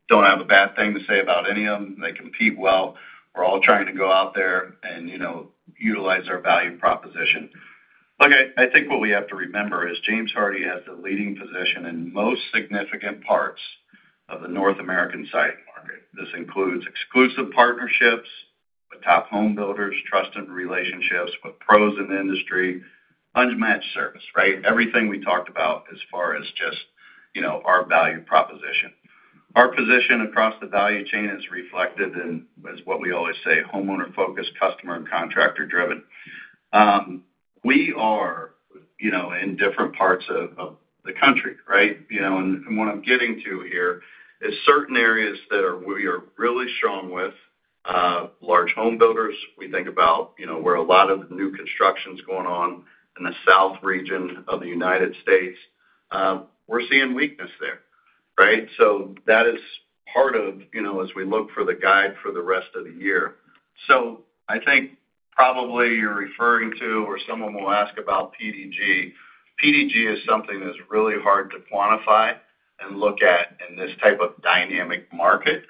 don't have a bad thing to say about any of them. They compete well. We're all trying to go out there and utilize our value proposition. I think what we have to remember is James Hardie has the leading position in most significant parts of the North America side market. This includes exclusive partnerships with top home builders, trusted relationships with pros in the industry, unmatched service, right? Everything we talked about as far as just our value proposition. Our position across the value chain is reflected in, as what we always say, homeowner focused, customer and contractor driven. We are, you know, in different parts of the country, right? What I'm getting to here is certain areas that we are really strong with, large home builders. We think about, you know, where a lot of the new construction is going on in the South region of the United States. We're seeing weakness there, right? That is part of, you know, as we look for the guide for the rest of the year. I think probably you're referring to, or someone will ask about PDG. PDG is something that's really hard to quantify and look at in this type of dynamic market,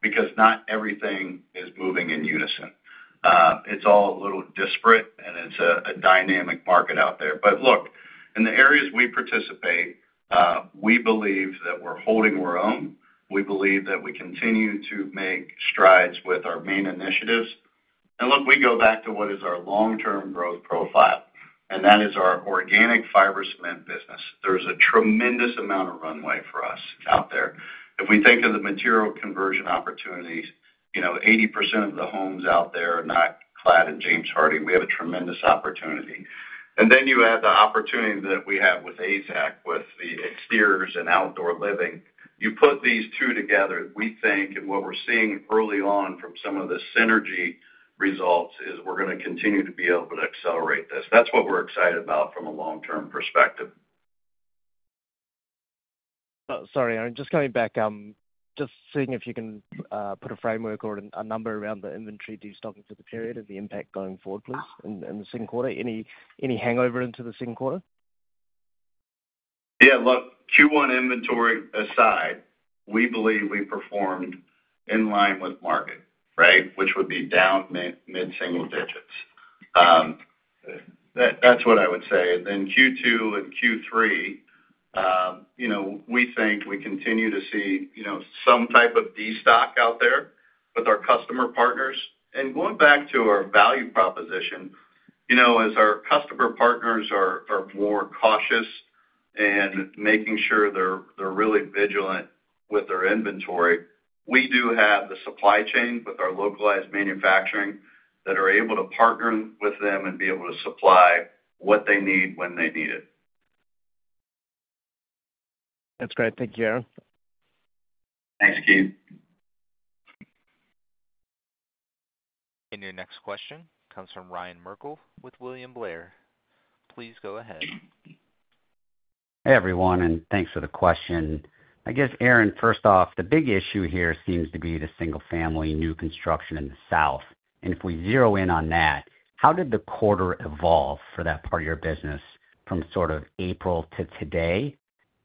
because not everything is moving in unison. It's all a little disparate, and it's a dynamic market out there. In the areas we participate, we believe that we're holding our own. We believe that we continue to make strides with our main initiatives. We go back to what is our long-term growth profile, and that is our organic fiber cement business. There's a tremendous amount of runway for us out there. If we think of the material conversion opportunities, you know, 80% of the homes out there are not clad in James Hardie. We have a tremendous opportunity. Then you add the opportunity that we have with AZEK, with the exteriors and outdoor living. You put these two together, we think, and what we're seeing early on from some of the synergy results is we're going to continue to be able to accelerate this. That's what we're excited about from a long-term perspective. Sorry, Aaron, just coming back. Just seeing if you can put a framework or a number around the inventory destocking for the period and the impact going forward, please, in the second quarter. Any hangover into the second quarter? Yeah, look, Q1 inventory aside, we believe we performed in line with market, right, which would be down mid-single digits. That's what I would say. Q2 and Q3, you know, we think we continue to see some type of destock out there with our customer partners. Going back to our value proposition, as our customer partners are more cautious and making sure they're really vigilant with their inventory, we do have the supply chain with our localized manufacturing that are able to partner with them and be able to supply what they need when they need it. That's great. Thank you, Aaron. Your next question comes from Ryan Merkel with William Blair. Please go ahead. Hey everyone, and thanks for the question. I guess, Aaron, first off, the big issue here seems to be the single-family new construction in the South. If we zero in on that, how did the quarter evolve for that part of your business from sort of April to today?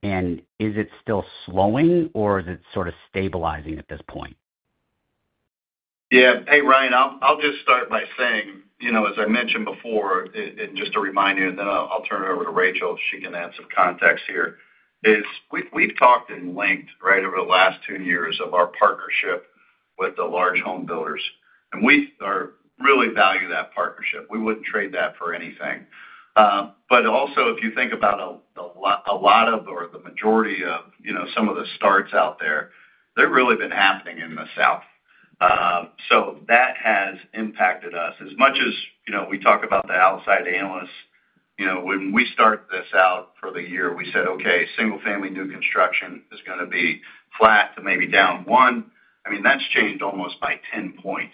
Is it still slowing, or is it sort of stabilizing at this point? Yeah, hey Ryan, I'll just start by saying, as I mentioned before, and just a reminder, then I'll turn it over to Rachel if she can add some context here. We've talked at length over the last two years of our partnership with the large home builders, and we really value that partnership. We wouldn't trade that for anything. Also, if you think about a lot of, or the majority of, some of the starts out there, they've really been happening in the South. That has impacted us. As much as we talk about the outside analysts, when we started this out for the year, we said, okay, single-family new construction is going to be flat to maybe down 1%. I mean, that's changed almost by 10 points,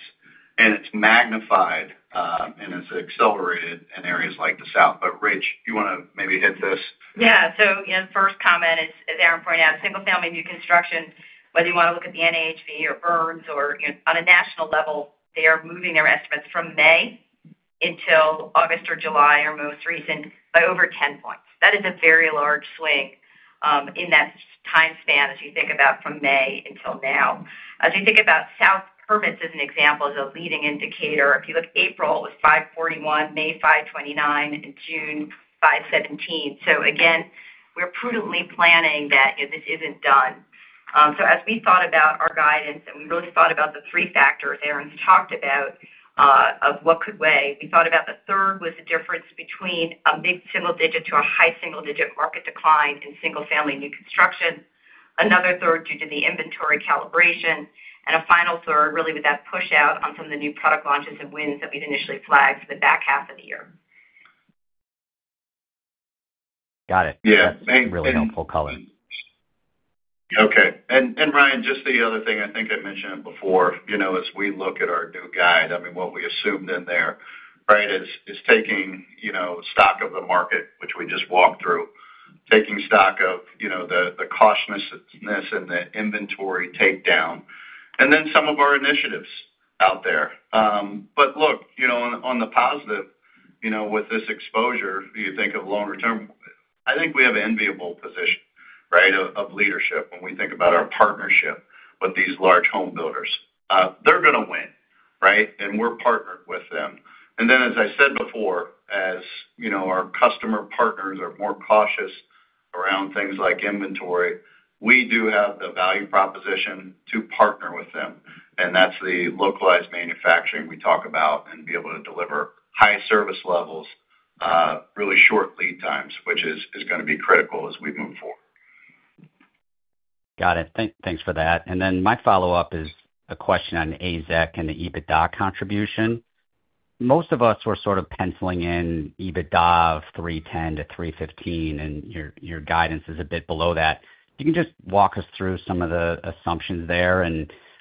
and it's magnified, and it's accelerated in areas like the South. Rach, you want to maybe hit this? Yeah, first comment is, as Aaron Erter pointed out, single-family new construction, whether you want to look at the NAHB or Burns, or, you know, on a national level, they are moving their estimates from May until August or July, our most recent, by over 10 points. That is a very large swing in that timespan as you think about from May until now. As you think about South, Plymouth is an example of the leading indicator. If you look at April, it was 541, May 529, and June 517. Again, we're prudently planning that this isn't done. As we thought about our guidance, and we really thought about the three factors Aaron's talked about, of what could weigh, we thought about the third was the difference between a mid-single digit to a high single digit market decline in single-family new construction, another third due to the inventory calibration, and a final third really with that push out on some of the new product launches and wins that we'd initially flagged for the back half of the year. Got it. Yeah, really helpful, Color. Okay, and Ryan, just the other thing I think I mentioned before, as we look at our new guide, what we assumed in there is taking stock of the market, which we just walked through, taking stock of the cautiousness and the inventory takedown, and then some of our initiatives out there. Look, on the positive, with this exposure, you think of longer term, I think we have an enviable position of leadership when we think about our partnership with these large home builders. They're going to win, and we're partnered with them. As I said before, as our customer partners are more cautious around things like inventory, we do have the value proposition to partner with them, and that's the localized manufacturing we talk about and being able to deliver high service levels, really short lead times, which is going to be critical as we move forward. Got it. Thanks for that. My follow-up is a question on AZEK and the EBITDA contribution. Most of us were sort of penciling in EBITDA $310 million-$315 million, and your guidance is a bit below that. If you can just walk us through some of the assumptions there,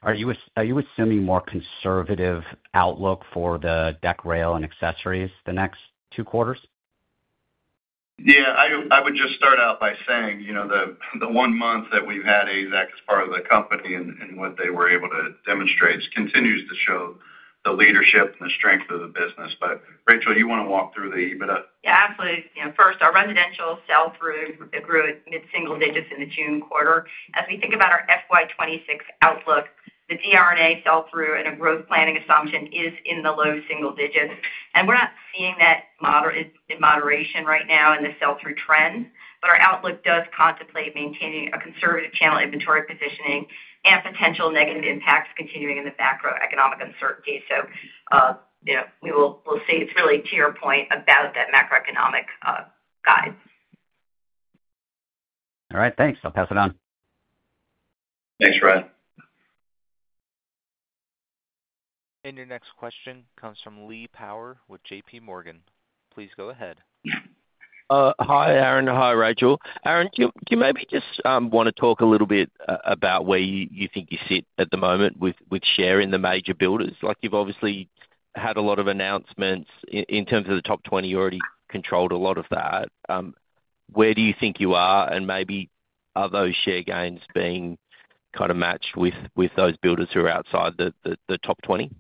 are you assuming a more conservative outlook for the deck, rail, and accessories the next two quarters? Yeah, I would just start out by saying, you know, the one month that we've had AZEK as part of the company and what they were able to demonstrate continues to show the leadership and the strength of the business. Rachel, you want to walk through the EBITDA? Yeah, absolutely. First, our residential sell-through grew at mid-single digits in the June quarter. As we think about our FY2026 outlook, the DRNA sell-through and a growth planning assumption is in the low single digits, and we're not seeing that in moderation right now in the sell-through trends, but our outlook does contemplate maintaining a conservative channel inventory positioning and potential negative impacts continuing in the macroeconomic uncertainty. We will see, it's really to your point about that macroeconomic guide. All right, thanks. I'll pass it on. Thanks, Ryan. Your next question comes from Lee Power with JPMorgan. Please go ahead. Hi, Aaron. Hi, Rachel. Aaron, do you maybe just want to talk a little bit about where you think you sit at the moment with share in the major builders? Like, you've obviously had a lot of announcements in terms of the top 20. You already controlled a lot of that. Where do you think you are, and maybe are those share gains being kind of matched with those builders who are outside the top 20? Yeah,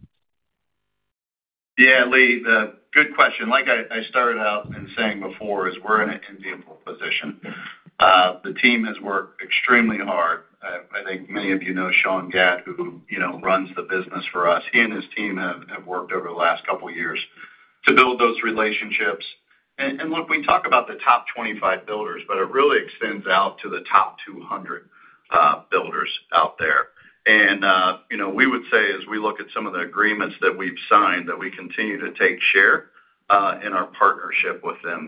Lee, good question. Like I started out in saying before, we're in an enviable position. The team has worked extremely hard. I think many of you know Sean Gadd, who runs the business for us. He and his team have worked over the last couple of years to build those relationships. We talk about the top 25 builders, but it really extends out to the top 200 builders out there. We would say as we look at some of the agreements that we've signed that we continue to take share in our partnership with them.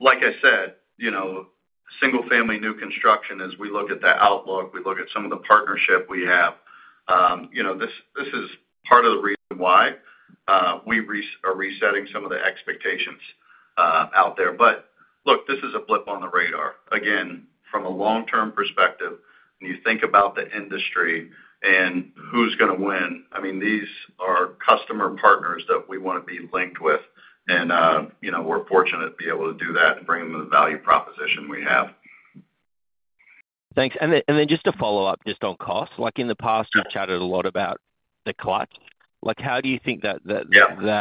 Like I said, single-family new construction, as we look at the outlook, we look at some of the partnership we have. This is part of the reason why we are resetting some of the expectations out there. This is a blip on the radar. Again, from a long-term perspective, when you think about the industry and who's going to win, these are customer partners that we want to be linked with, and we're fortunate to be able to do that and bring them the value proposition we have. Thanks. Just to follow up, on cost, in the past, you've chatted a lot about the clutch. How do you think that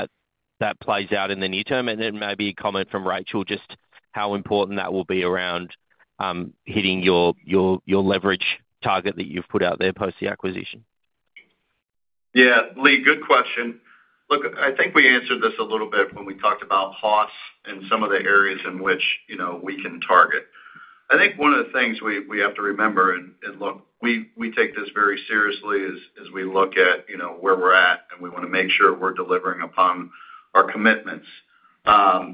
plays out in the near term? Maybe a comment from Rachel, just how important that will be around hitting your leverage target that you've put out there post the acquisition. Yeah, Lee, good question. I think we answered this a little bit when we talked about costs and some of the areas in which we can target. One of the things we have to remember, and we take this very seriously as we look at where we're at, and we want to make sure we're delivering upon our commitments,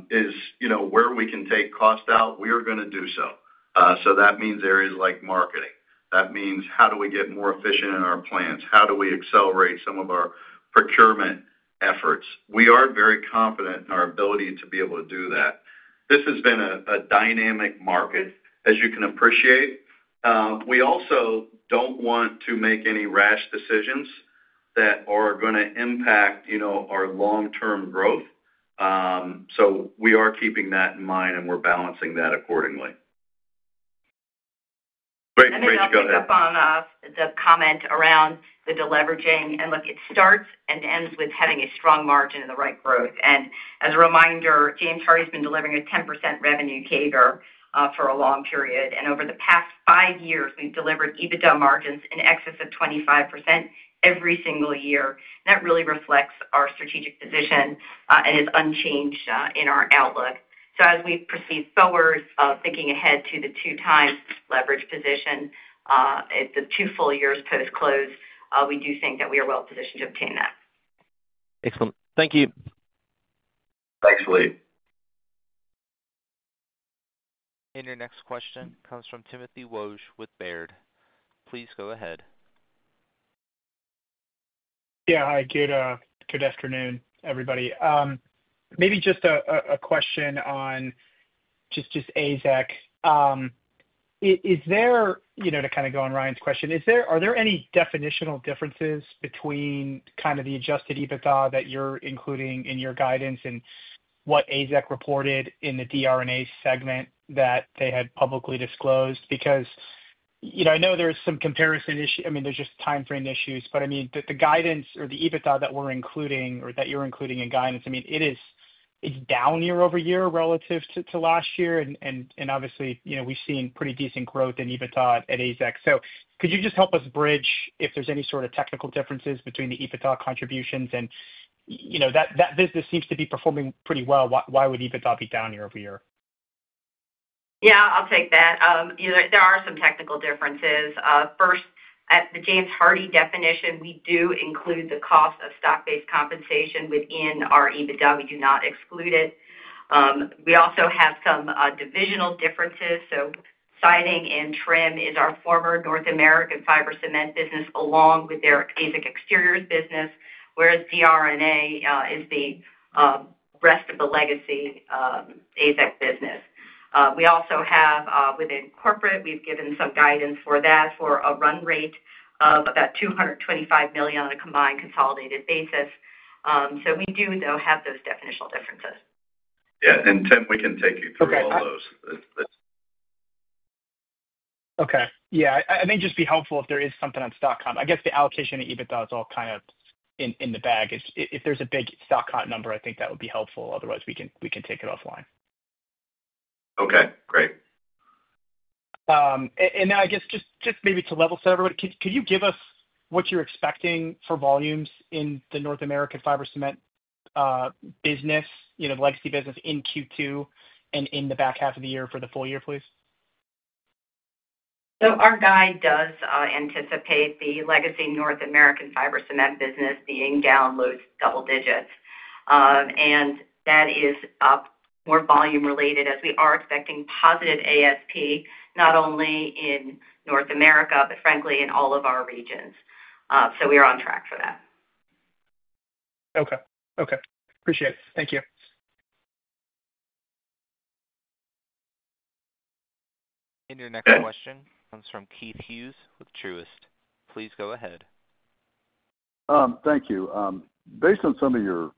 is where we can take cost out, we are going to do so. That means areas like marketing. That means how do we get more efficient in our plants. How do we accelerate some of our procurement efforts. We are very confident in our ability to be able to do that. This has been a dynamic market, as you can appreciate. We also don't want to make any rash decisions that are going to impact our long-term growth. We are keeping that in mind, and we're balancing that accordingly. Let me just pick up on the comment around the deleveraging, and look, it starts and ends with having a strong margin in the right growth. As a reminder, James Hardie Industries has been delivering a 10% revenue CAGR for a long period, and over the past five years, we've delivered EBITDA margins in excess of 25% every single year. That really reflects our strategic position and is unchanged in our outlook. As we proceed forward, thinking ahead to the 2x leverage position, at the two full years post-close, we do think that we are well positioned to obtain that. Excellent. Thank you. Thanks, Lee. Your next question comes from Timothy Wojs with Baird. Please go ahead. Yeah, hi. Good afternoon, everybody. Maybe just a question on just AZEK. Is there, you know, to kind of go on Ryan's question, are there any definitional differences between kind of the adjusted EBITDA that you're including in your guidance and what AZEK reported in the DRNA segment that they had publicly disclosed? Because, you know, I know there's some comparison issues. I mean, there's just timeframe issues, but I mean, the guidance or the EBITDA that we're including or that you're including in guidance, it is down year-over-year relative to last year, and obviously, you know, we've seen pretty decent growth in EBITDA at AZEK. Could you just help us bridge if there's any sort of technical differences between the EBITDA contributions and, you know, that business seems to be performing pretty well. Why would EBITDA be down year-over-year? Yeah, I'll take that. You know, there are some technical differences. First, at the James Hardie definition, we do include the cost of stock-based compensation within our EBITDA. We do not exclude it. We also have some divisional differences. Siding and trim is our former North American fiber cement business along with their AZEK exteriors business, whereas DRNA is the rest of the legacy AZEK business. We also have, within corporate, we've given some guidance for that for a run rate of about $225 million on a combined consolidated basis. We do, though, have those definitional differences. Yeah, Tim, we can take you through all those. Okay. I think it'd just be helpful if there is something on stock comp. I guess the allocation of adjusted EBITDA is all kind of in the bag. If there's a big stock comp number, I think that would be helpful. Otherwise, we can take it offline. Okay, great. I guess just maybe to level set everybody, could you give us what you're expecting for volumes in the North American fiber cement business, you know, the legacy business in Q2 and in the back half of the year for the full year, please? Our guide does anticipate the legacy North American fiber cement business being down low to double digits, and that is more volume-related as we are expecting positive AFP, not only in North America, but frankly in all of our regions. We are on track for that. Okay. Appreciate it. Thank you. Your next question comes from Keith Hughes with Truist. Please go ahead. Thank you. Based on some of your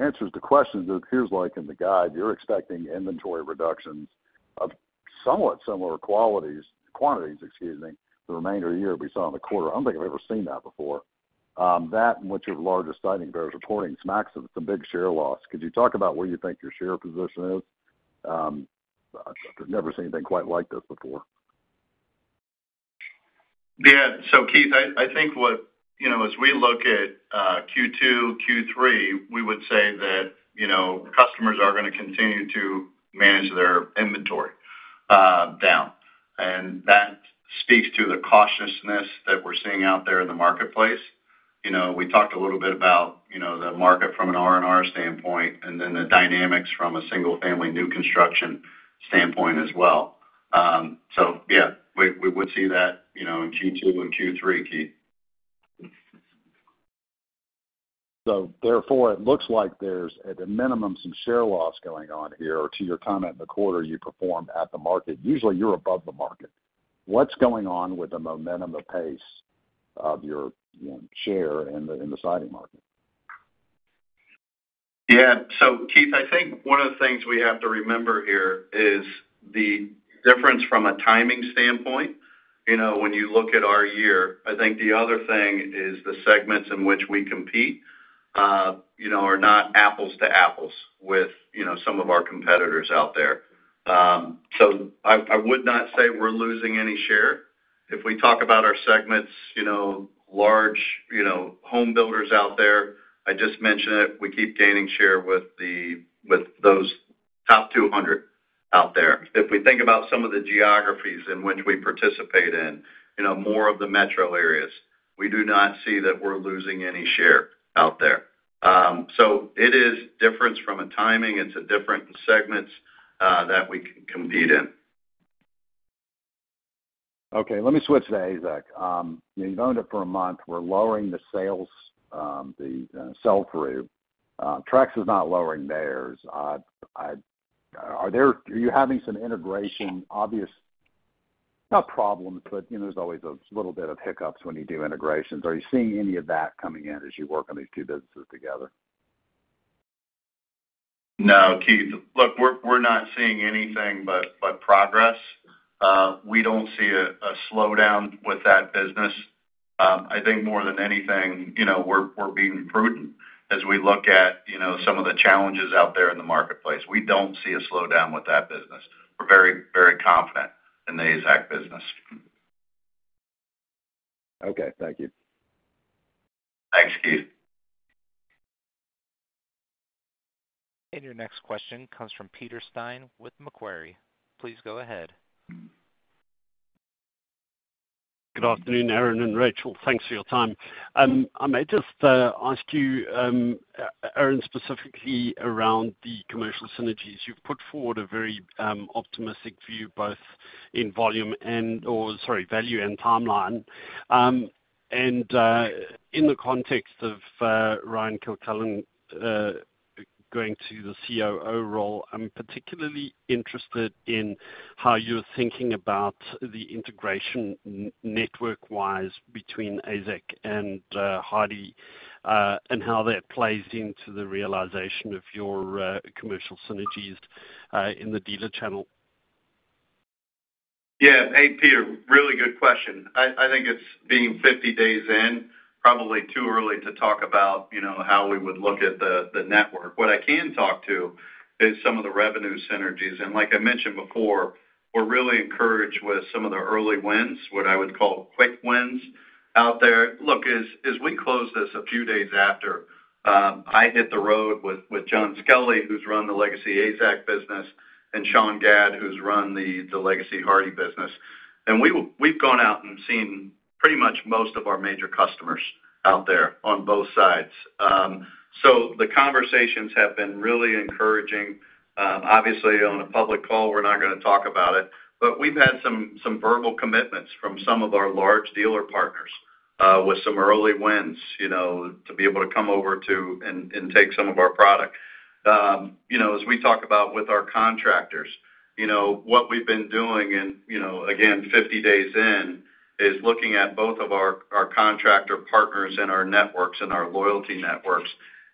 answers to questions, it appears like in the guide, you're expecting inventory reductions of somewhat similar quantities, excuse me, the remainder of the year we saw in the quarter. I don't think we've ever seen that before. That and what your largest siding dealers are reporting is an accident. It's a big share loss. Could you talk about where you think your share position is? I've never seen anything quite like this before. Yeah, Keith, I think as we look at Q2, Q3, we would say that customers are going to continue to manage their inventory down, and that speaks to the cautiousness that we're seeing out there in the marketplace. We talked a little bit about the market from an R&R standpoint and then the dynamics from a single-family new construction standpoint as well. We would see that in Q2 and Q3, Keith. Therefore, it looks like there's at a minimum some share loss going on here or to your comment in the quarter you performed at the market. Usually, you're above the market. What's going on with the momentum or pace of your share in the siding market? Yeah, Keith, I think one of the things we have to remember here is the difference from a timing standpoint. When you look at our year, I think the other thing is the segments in which we compete are not apples to apples with some of our competitors out there. I would not say we're losing any share. If we talk about our segments, large home builders out there, I just mentioned it, we keep gaining share with those top 200 out there. If we think about some of the geographies in which we participate in, more of the metro areas, we do not see that we're losing any share out there. It is a difference from a timing. It's a difference in segments that we compete in. Okay, let me switch to AZEK. You've owned it for a month. We're lowering the sales, the sell-through. Trex is not lowering theirs. Are you having some integration, obvious problems, but there's always a little bit of hiccups when you do integrations. Are you seeing any of that coming in as you work on these two businesses together? No, Keith, look, we're not seeing anything but progress. We don't see a slowdown with that business. I think more than anything, we're being prudent as we look at some of the challenges out there in the marketplace. We don't see a slowdown with that business. We're very, very confident in the AZEK business. Okay, thank you. Thanks, Keith. Your next question comes from Peter Steyn with Macquarie. Please go ahead. Good afternoon, Aaron and Rachel. Thanks for your time. I may just ask you, Aaron, specifically around the commercial synergies. You've put forward a very optimistic view, both in value and timeline. In the context of Ryan Kilcullen going to the COO role, I'm particularly interested in how you're thinking about the integration network-wise between AZEK and Hardie and how that plays into the realization of your commercial synergies in the dealer channel. Yeah, hey Peter, really good question. I think it's being 50 days in, probably too early to talk about, you know, how we would look at the network. What I can talk to is some of the revenue synergies, and like I mentioned before, we're really encouraged with some of the early wins, what I would call quick wins out there. As we closed this a few days after, I hit the road with John Skelly, who's run the legacy AZEK business, and Sean Gadd, who's run the legacy Hardie business. We've gone out and seen pretty much most of our major customers out there on both sides. The conversations have been really encouraging. Obviously, on a public call, we're not going to talk about it, but we've had some verbal commitments from some of our large dealer partners with some early wins, you know, to be able to come over and take some of our product. As we talk about. Our contractors, you know what we've been doing, and you know, again, 50 days in, is looking at both of our contractor partners and our networks and our loyalty networks,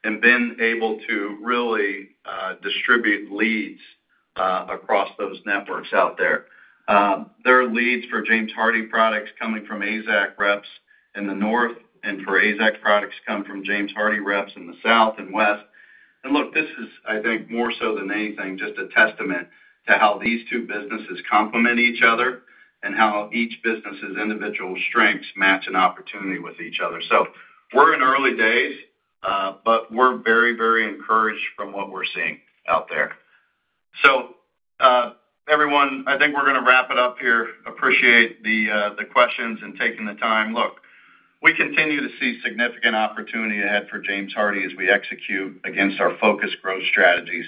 and been able to really distribute leads across those networks out there. There are leads for James Hardie products coming from AZEK reps in the North, and for AZEK products coming from James Hardie reps in the South and West. This is, I think, more so than anything, just a testament to how these two businesses complement each other and how each business's individual strengths match an opportunity with each other. We're in early days, but we're very, very encouraged from what we're seeing out there. Everyone, I think we're going to wrap it up here. Appreciate the questions and taking the time. We continue to see significant opportunity ahead for James Hardie as we execute against our focused growth strategies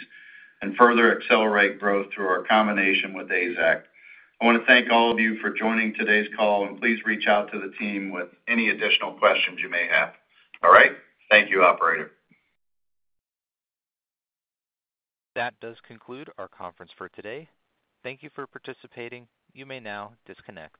and further accelerate growth through our combination with AZEK. I want to thank all of you for joining today's call, and please reach out to the team with any additional questions you may have. All right. Thank you, operator. That does conclude our conference for today. Thank you for participating. You may now disconnect.